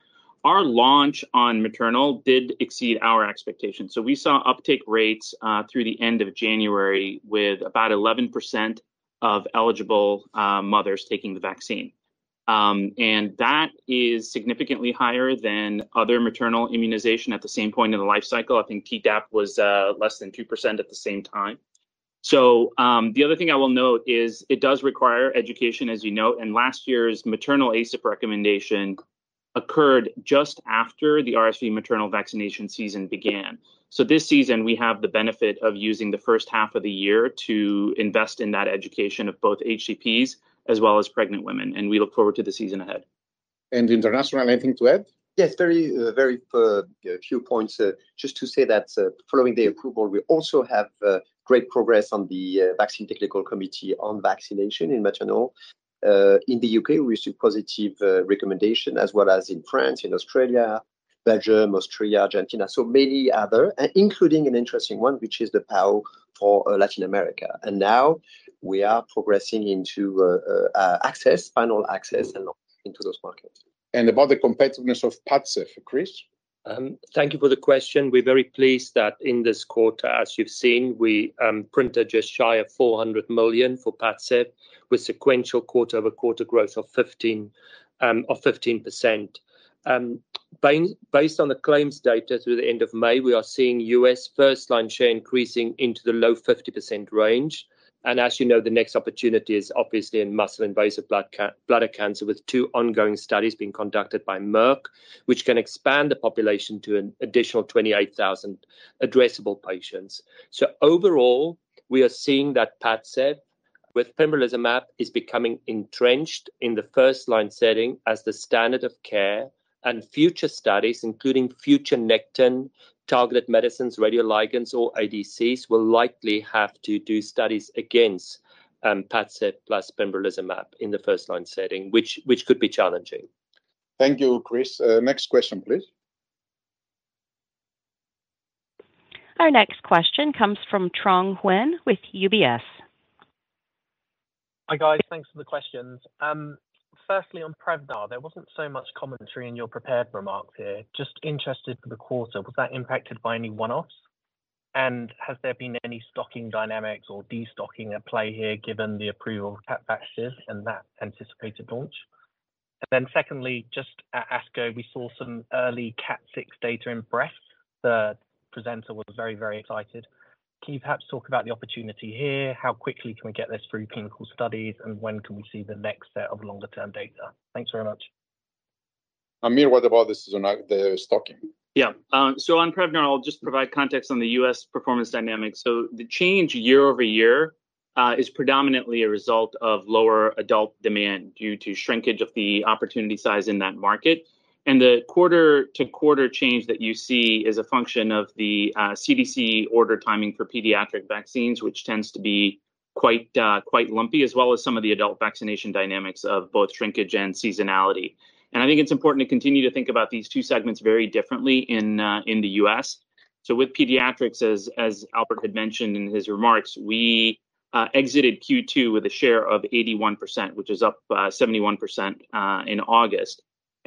our launch on maternal did exceed our expectations. So we saw uptake rates through the end of January, with about 11% of eligible mothers taking the vaccine. And that is significantly higher than other maternal immunization at the same point in the life cycle. I think Tdap was less than 2% at the same time. So, the other thing I will note is it does require education, as you note, and last year's maternal ACIP recommendation occurred just after the RSV maternal vaccination season began. So this season, we have the benefit of using the first half of the year to invest in that education of both HCPs as well as pregnant women, and we look forward to the season ahead. International, anything to add? Yes, very, very few points. Just to say that, following the approval, we also have great progress on the Vaccine Technical Committee on vaccination in maternal. In the U.K., we received positive recommendation, as well as in France, in Australia, Belgium, Austria, Argentina, so many other, and including an interesting one, which is the PAHO for Latin America. And now we are progressing into access, final access and launch into those markets. About the competitiveness of PADCEV, Chris? Thank you for the question. We're very pleased that in this quarter, as you've seen, we printed just shy of $400 million for PADCEV, with sequential quarter-over-quarter growth of 15%. Based on the claims data through the end of May, we are seeing U.S. first-line share increasing into the low 50% range. And as you know, the next opportunity is obviously in muscle-invasive bladder cancer, with 2 ongoing studies being conducted by Merck, which can expand the population to an additional 28,000 addressable patients. So overall, we are seeing that PADCEV with pembrolizumab is becoming entrenched in the first-line setting as the standard of care, and future studies, including future Nectin-targeted medicines, radioligands, or ADCs, will likely have to do studies against PADCEV plus pembrolizumab in the first-line setting, which could be challenging. Thank you, Chris. Next question, please. Our next question comes from Trung Huynh with UBS. Hi, guys. Thanks for the questions. Firstly, on Prevnar, there wasn't so much commentary in your prepared remarks here. Just interested for the quarter, was that impacted by any one-offs? And has there been any stocking dynamics or destocking at play here, given the approval of Capvaxive and that anticipated launch? And then secondly, just at ASCO, we saw some early KAT6 data in breast. The presenter was very, very excited. Can you perhaps talk about the opportunity here? How quickly can we get this through clinical studies, and when can we see the next set of longer-term data? Thanks very much. Aamir, what about this on the stocking? Yeah. So on Prevnar, I'll just provide context on the U.S. performance dynamics. So the change year-over-year is predominantly a result of lower adult demand due to shrinkage of the opportunity size in that market. And the quarter-to-quarter change that you see is a function of the CDC order timing for pediatric vaccines, which tends to be quite lumpy, as well as some of the adult vaccination dynamics of both shrinkage and seasonality. And I think it's important to continue to think about these two segments very differently in the U.S. So with pediatrics, as Albert had mentioned in his remarks, we exited Q2 with a share of 81%, which is up 71% in August.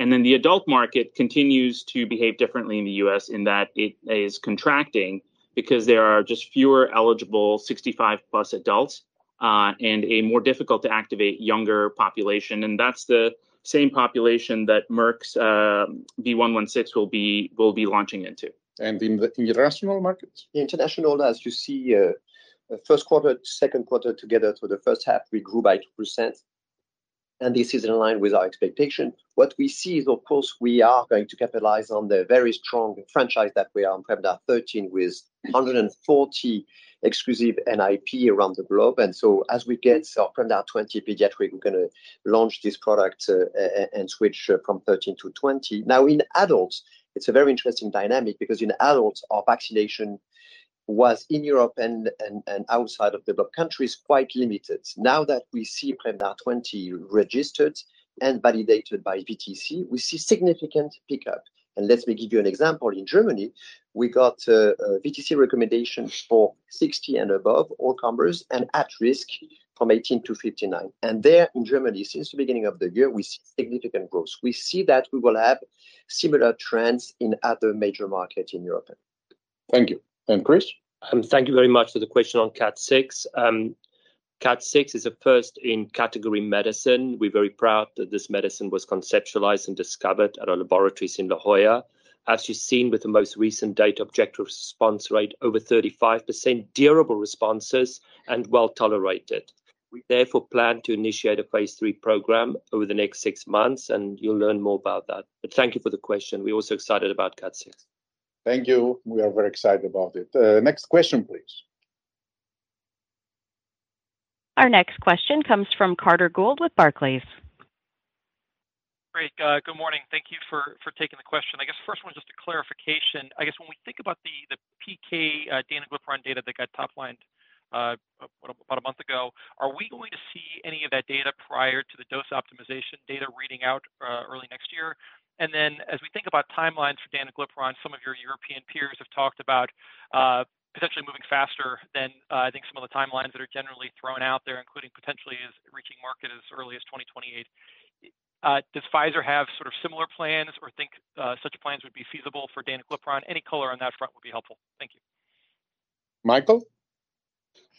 Then the adult market continues to behave differently in the U.S. in that it is contracting because there are just fewer eligible 65+ adults, and a more difficult to activate younger population, and that's the same population that Merck's V116 will be launching into. In the international markets? International, as you see, first quarter, second quarter together for the first half, we grew by 2%, and this is in line with our expectation. What we see is, of course, we are going to capitalize on the very strong franchise that we are on Prevnar 13 with 140 exclusive NIP around the globe. And so as we get Prevnar 20 pediatric, we're gonna launch this product, and switch from 13 to 20. Now, in adults, it's a very interesting dynamic because in adults, our vaccination was in Europe and outside of the countries, quite limited. Now that we see Prevnar 20 registered and validated by VTC, we see significant pickup. And let me give you an example. In Germany, we got VTC recommendations for 60 and above all comers and at risk from 18 to 59. There in Germany, since the beginning of the year, we see significant growth. We see that we will have similar trends in other major markets in Europe. Thank you. And Chris? Thank you very much for the question on KAT6. KAT6 is a first-in-category medicine. We're very proud that this medicine was conceptualized and discovered at our laboratories in La Jolla. As you've seen with the most recent data, objective response rate over 35%, durable responses and well tolerated. We therefore plan to initiate a phase III program over the next six months, and you'll learn more about that. But thank you for the question. We're also excited about KAT6. Thank you. We are very excited about it. Next question, please. Our next question comes from Carter Gould with Barclays. Great. Good morning. Thank you for taking the question. I guess the first one, just a clarification. I guess when we think about the PK, danuglipron data that got top-lined, about a month ago, are we going to see any of that data prior to the dose optimization data reading out, early next year? And then, as we think about timelines for danuglipron, some of your European peers have talked about, potentially moving faster than, I think some of the timelines that are generally thrown out there, including potentially is reaching market as early as 2028. Does Pfizer have sort of similar plans or think, such plans would be feasible for danuglipron? Any color on that front would be helpful. Thank you. Mikael?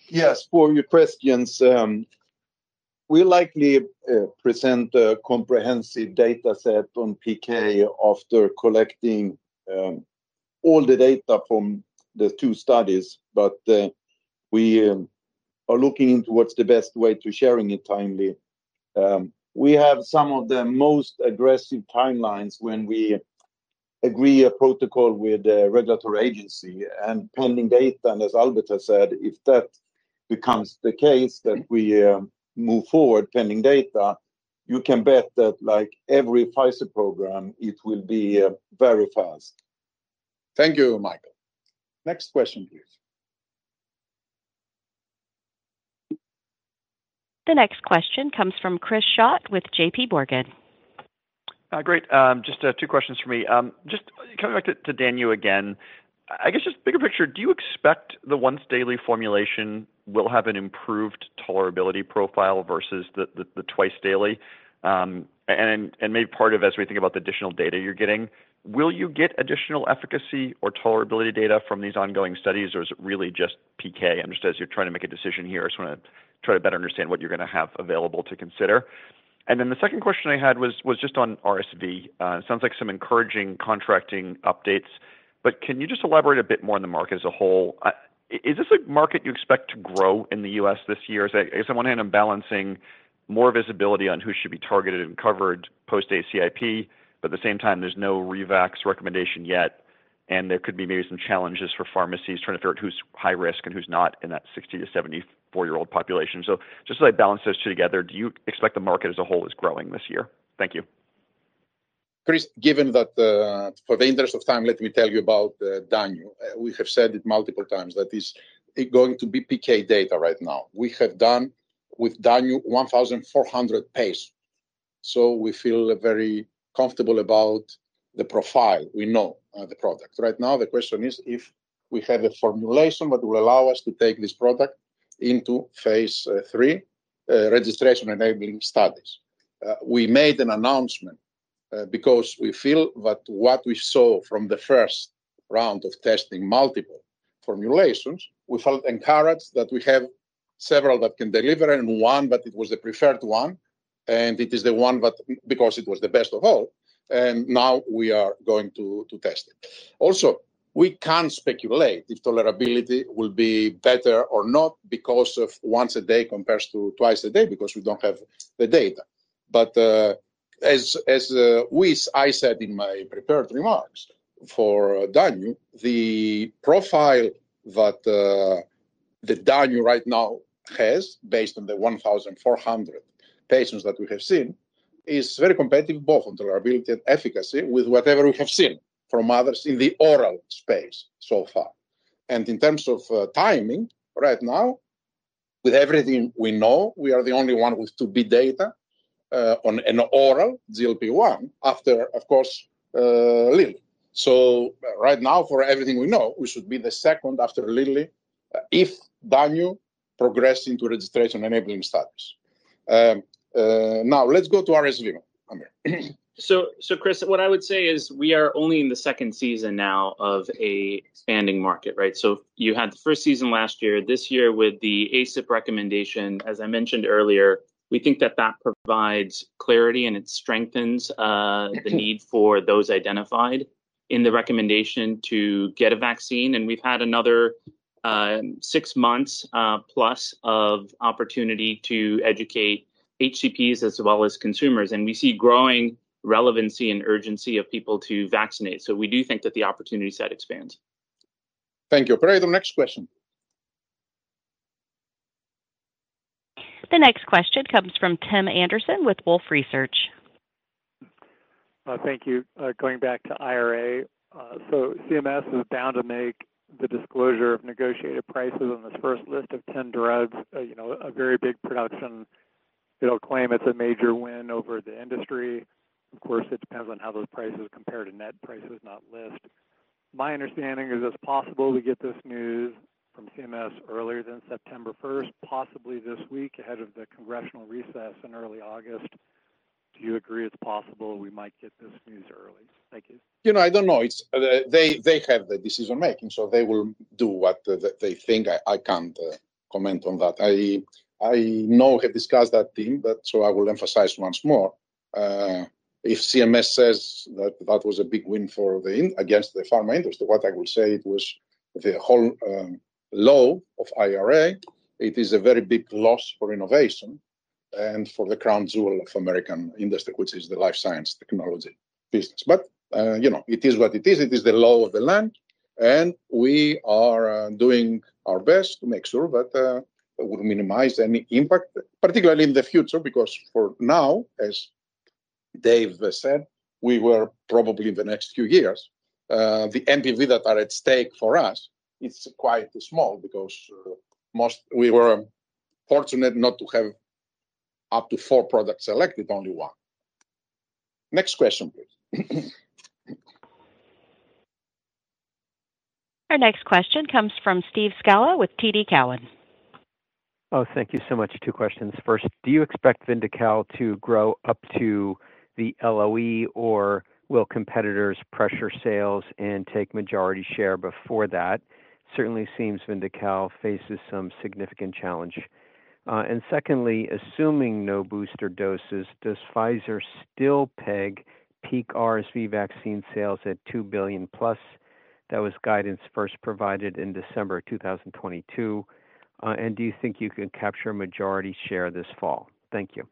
Yes, for your questions, we'll likely present a comprehensive dataset on PK after collecting all the data from the two studies. But we are looking into what's the best way to sharing it timely. We have some of the most aggressive timelines when we agree a protocol with the regulatory agency. Pending data, and as Albert has said, if that becomes the case, then we move forward pending data, you can bet that, like every Pfizer program, it will be very fast. Thank you, Mikael. Next question, please. The next question comes from Chris Schott with JPMorgan. Great. Just two questions for me. Just coming back to Danu again, I guess just bigger picture, do you expect the once-daily formulation will have an improved tolerability profile versus the twice daily? And maybe part of as we think about the additional data you're getting, will you get additional efficacy or tolerability data from these ongoing studies, or is it really just PK? I understand as you're trying to make a decision here, I just wanna try to better understand what you're gonna have available to consider. And then the second question I had was just on RSV. It sounds like some encouraging contracting updates, but can you just elaborate a bit more on the market as a whole? Is this a market you expect to grow in the U.S. this year? I guess on one hand, I'm balancing more visibility on who should be targeted and covered post-ACIP, but at the same time, there's no re-vax recommendation yet. And there could be maybe some challenges for pharmacies trying to figure out who's high risk and who's not in that 60- to 74-year-old population. So just as I balance those two together, do you expect the market as a whole is growing this year? Thank you. Chris, given that, for the interest of time, let me tell you about Danu. We have said it multiple times, that is going to be PK data right now. We have done with Danu 1,400 patients. So we feel very comfortable about the profile. We know the product. Right now, the question is if we have a formulation that will allow us to take this product into phase III registration-enabling studies. We made an announcement because we feel that what we saw from the first round of testing multiple formulations, we felt encouraged that we have several that can deliver and one, but it was the preferred one, and it is the one, but because it was the best of all, and now we are going to test it. Also, we can't speculate if tolerability will be better or not because of once a day compares to twice a day, because we don't have the data. But, I said in my prepared remarks for Danu, the profile that Danu right now has, based on the 1,400 patients that we have seen, is very competitive, both on tolerability and efficacy, with whatever we have seen from others in the oral space so far. And in terms of, timing, right now, with everything we know, we are the only one with two B data, on an oral GLP-1 after, of course, Lilly. So right now, for everything we know, we should be the second after Lilly, if Danu progress into registration-enabling studies. Now let's go to RSV, Aamir. So, so Chris, what I would say is we are only in the second season now of an expanding market, right? So you had the first season last year. This year, with the ACIP recommendation, as I mentioned earlier, we think that that provides clarity, and it strengthens the need for those identified in the recommendation to get a vaccine. And we've had another six months plus of opportunity to educate HCPs as well as consumers, and we see growing relevancy and urgency of people to vaccinate. So we do think that the opportunity set expands. Thank you. Operator, next question. The next question comes from Tim Anderson with Wolfe Research. Thank you. Going back to IRA. So CMS is bound to make the disclosure of negotiated prices on this first list of 10 drugs, you know, a very big production. It'll claim it's a major win over the industry. Of course, it depends on how those prices compare to net prices, not list. My understanding is it's possible to get this news from CMS earlier than September first, possibly this week, ahead of the congressional recess in early August. Do you agree it's possible we might get this news early? Thank you. You know, I don't know. It's, they, they have the decision-making, so they will do what the, they think. I, I can't comment on that. I, I know have discussed that theme, but so I will emphasize once more, if CMS says that that was a big win for the against the pharma industry, what I would say it was the whole, law of IRA, it is a very big loss for innovation and for the crown jewel of American industry, which is the life science, technology business. But, you know, it is what it is. It is the law of the land, and we are doing our best to make sure that we minimize any impact, particularly in the future, because for now, as Dave said, we were probably in the next few years, the NPV that are at stake for us is quite small, because we were fortunate not to have up to four products selected, only one. Next question, please. Our next question comes from Steve Scala with TD Cowen. Oh, thank you so much. Two questions. First, do you expect Vyndaqel to grow up to the LOE, or will competitors pressure sales and take majority share before that? Certainly seems Vyndaqel faces some significant challenge. And secondly, assuming no booster doses, does Pfizer still peg peak RSV vaccine sales at $2 billion+? That was guidance first provided in December 2022. And do you think you can capture a majority share this fall? Thank you.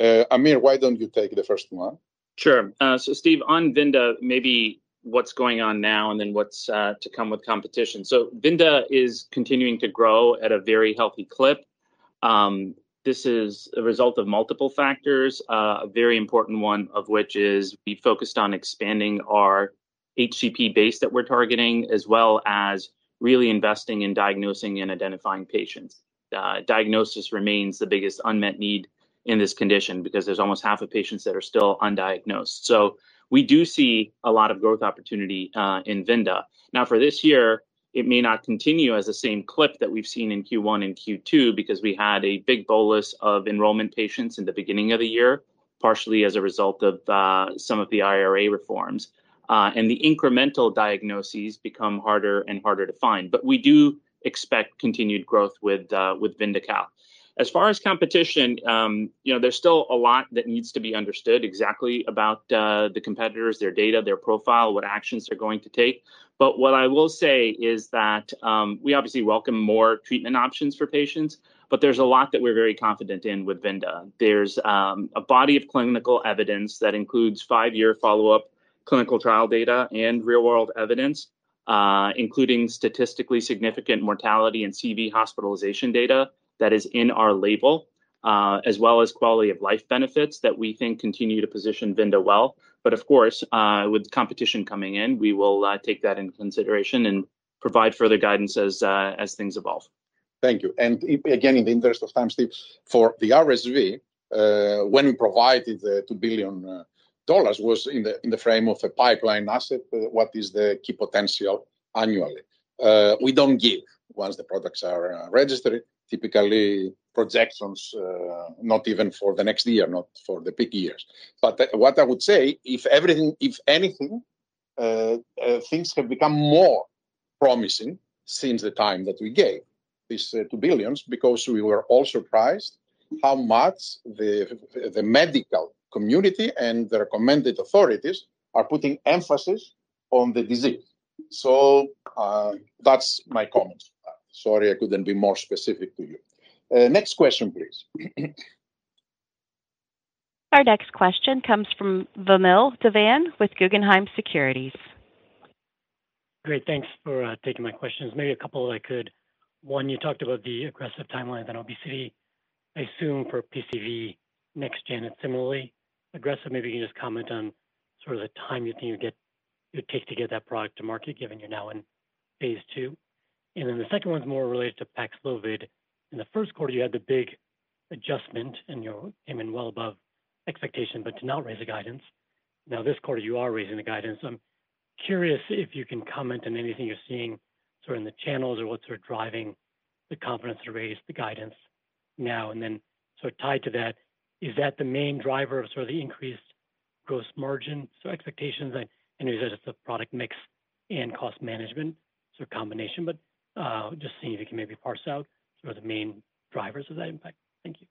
Aamir, why don't you take the first one? Sure. So Steve, on Vyndaqel, maybe what's going on now and then what's to come with competition. So Vyndaqel is continuing to grow at a very healthy clip. This is a result of multiple factors, a very important one of which is we focused on expanding our HCP base that we're targeting, as well as really investing in diagnosing and identifying patients. Diagnosis remains the biggest unmet need in this condition because there's almost half of patients that are still undiagnosed. So we do see a lot of growth opportunity in Vyndaqel. Now, for this year, it may not continue as the same clip that we've seen in Q1 and Q2 because we had a big bolus of enrollment patients in the beginning of the year, partially as a result of some of the IRA reforms. And the incremental diagnoses become harder and harder to find. But we do expect continued growth with Vyndaqel. As far as competition, you know, there's still a lot that needs to be understood exactly about the competitors, their data, their profile, what actions they're going to take. But what I will say is that, we obviously welcome more treatment options for patients, but there's a lot that we're very confident in with Vynda. There's a body of clinical evidence that includes five-year follow-up clinical trial data and real-world evidence, including statistically significant mortality and CV hospitalization data that is in our label, as well as quality of life benefits that we think continue to position Vynda well. But of course, with competition coming in, we will take that into consideration and provide further guidance as things evolve. Thank you. And again, in the interest of time, Steve, for the RSV, when we provided the $2 billion, it was in the frame of a pipeline asset. What is the key potential annually? We don't give, once the products are registered, typically projections, not even for the next year, not for the peak years. But what I would say, if everything, if anything, things have become more promising since the time that we gave this $2 billion, because we were all surprised how much the medical community and the recommended authorities are putting emphasis on the disease. So that's my comment. Sorry, I couldn't be more specific to you. Next question, please. Our next question comes from Vamil Divan with Guggenheim Securities. Great, thanks for taking my questions. Maybe a couple, if I could. One, you talked about the aggressive timeline on obesity, I assume for PCV next gen, and similarly aggressive. Maybe you can just comment on sort of the time you think it'd get, it would take to get that product to market, given you're now in phase II. And then the second one's more related to PAXLOVID. In the first quarter, you had the big adjustment, and you came in well above expectation, but did not raise the guidance. Now, this quarter, you are raising the guidance. I'm curious if you can comment on anything you're seeing sort of in the channels or what's sort of driving the confidence to raise the guidance now. And then, so tied to that, is that the main driver of sort of the increased gross margin? So expectations and if it's the product mix and cost management sort of combination, but just seeing if you can maybe parse out sort of the main drivers of that impact. Thank you.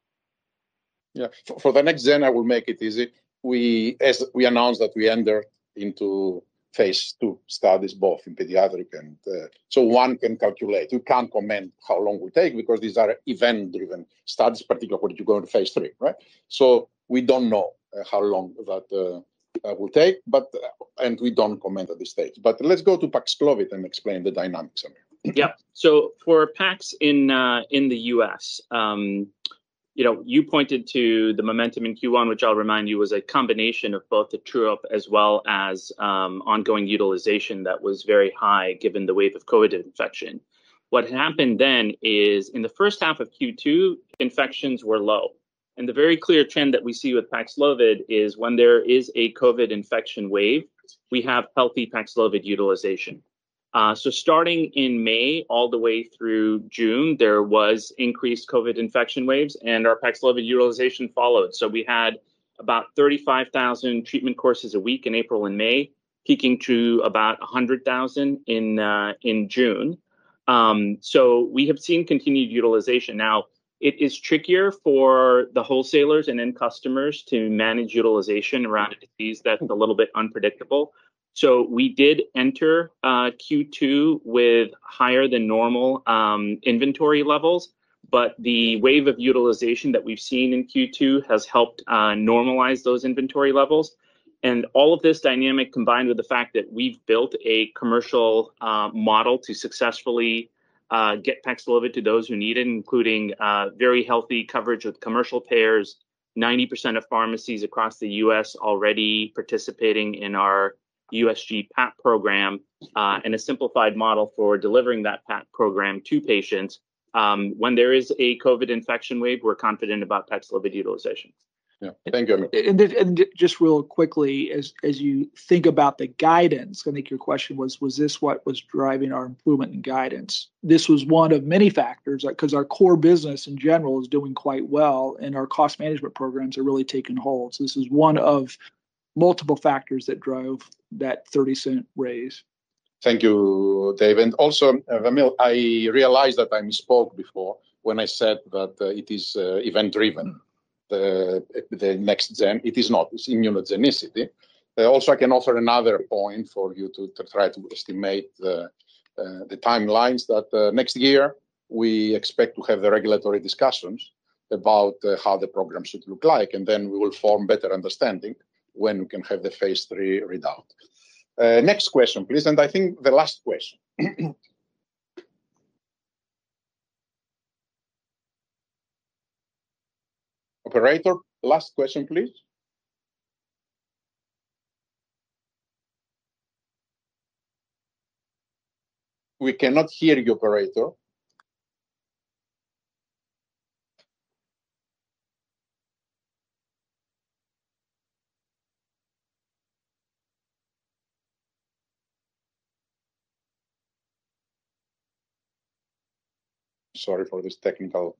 Yeah. For the next gen, I will make it easy. We, as we announced, that we entered into phase II studies, both in pediatric and so one can calculate. You can't comment how long it will take, because these are event-driven studies, particularly when you go into phase III, right? So we don't know how long that will take, but, and we don't comment at this stage. But let's go to PAXLOVID and explain the dynamics here. Yeah. So for PAXLOVID in the U.S., you know, you pointed to the momentum in Q1, which I'll remind you, was a combination of both the true-up as well as ongoing utilization that was very high, given the wave of COVID infection. What happened then is, in the first half of Q2, infections were low, and the very clear trend that we see with PAXLOVID is when there is a COVID infection wave, we have healthy PAXLOVID utilization. So starting in May, all the way through June, there was increased COVID infection waves, and our PAXLOVID utilization followed. So we had about 35,000 treatment courses a week in April and May, peaking to about 100,000 in June. So we have seen continued utilization. Now, it is trickier for the wholesalers and end customers to manage utilization around a disease that's a little bit unpredictable. So we did enter Q2 with higher-than-normal inventory levels, but the wave of utilization that we've seen in Q2 has helped normalize those inventory levels. And all of this dynamic, combined with the fact that we've built a commercial model to successfully get PAXLOVID to those who need it, including very healthy coverage with commercial payers, 90% of pharmacies across the U.S. already participating in our USG PAP program, and a simplified model for delivering that PAP program to patients. When there is a COVID infection wave, we're confident about PAXLOVID utilization. Yeah. Thank you. Just real quickly, as you think about the guidance, I think your question was: Was this what was driving our improvement in guidance? This was one of many factors, 'cause our core business in general is doing quite well, and our cost management programs are really taking hold. So this is one of multiple factors that drove that $0.30 raise. Thank you, Dave. And also, Vamil, I realize that I misspoke before when I said that, it is event-driven, the next gen. It is not, it's immunogenicity. Also, I can offer another point for you to try to estimate the timelines, that next year, we expect to have the regulatory discussions about how the program should look like, and then we will form better understanding when we can have the phase III readout. Next question, please, and I think the last question. Operator, last question, please. We cannot hear you, operator. Sorry for this technical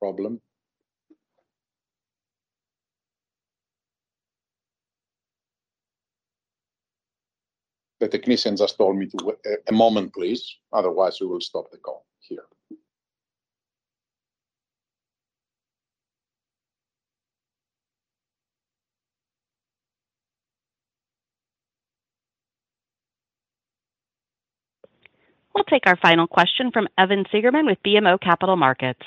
problem. The technician just told me to wait a moment, please. Otherwise, we will stop the call here. We'll take our final question from Evan Seigerman with BMO Capital Markets.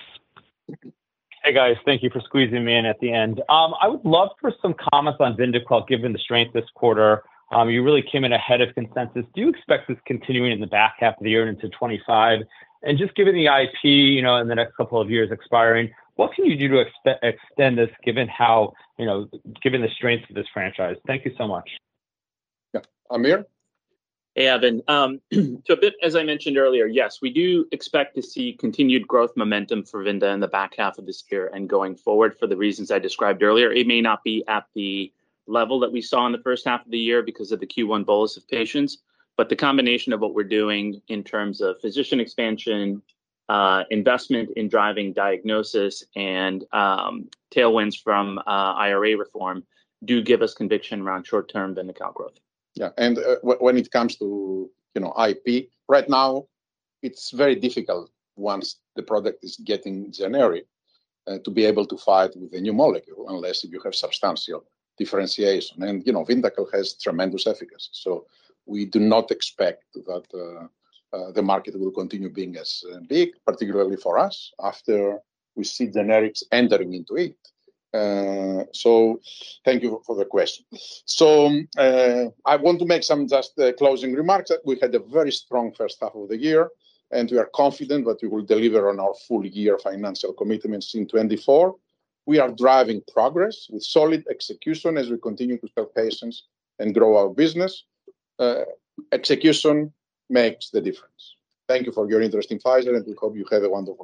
Hey, guys. Thank you for squeezing me in at the end. I would love for some comments on Vyndaqel, given the strength this quarter. You really came in ahead of consensus. Do you expect this continuing in the back half of the year into 2025? And just given the IP, you know, in the next couple of years expiring, what can you do to extend this, given how, you know, given the strength of this franchise? Thank you so much. Yeah. Aamir? Hey, Evan. So a bit, as I mentioned earlier, yes, we do expect to see continued growth momentum for Vyndaqel in the back half of this year and going forward for the reasons I described earlier. It may not be at the level that we saw in the first half of the year because of the Q1 bolus of patients, but the combination of what we're doing in terms of physician expansion, investment in driving diagnosis, and, tailwinds from, IRA reform, do give us conviction around short-term Vyndaqel growth. Yeah, and when it comes to, you know, IP, right now, it's very difficult once the product is getting generic, to be able to fight with a new molecule, unless if you have substantial differentiation. And, you know, Vyndaqel has tremendous efficacy, so we do not expect that the market will continue being as big, particularly for us, after we see generics entering into it. So thank you for the question. So, I want to make some just closing remarks, that we had a very strong first half of the year, and we are confident that we will deliver on our full-year financial commitments in 2024. We are driving progress with solid execution as we continue to serve patients and grow our business. Execution makes the difference. Thank you for your interest in Pfizer, and we hope you have a wonderful day.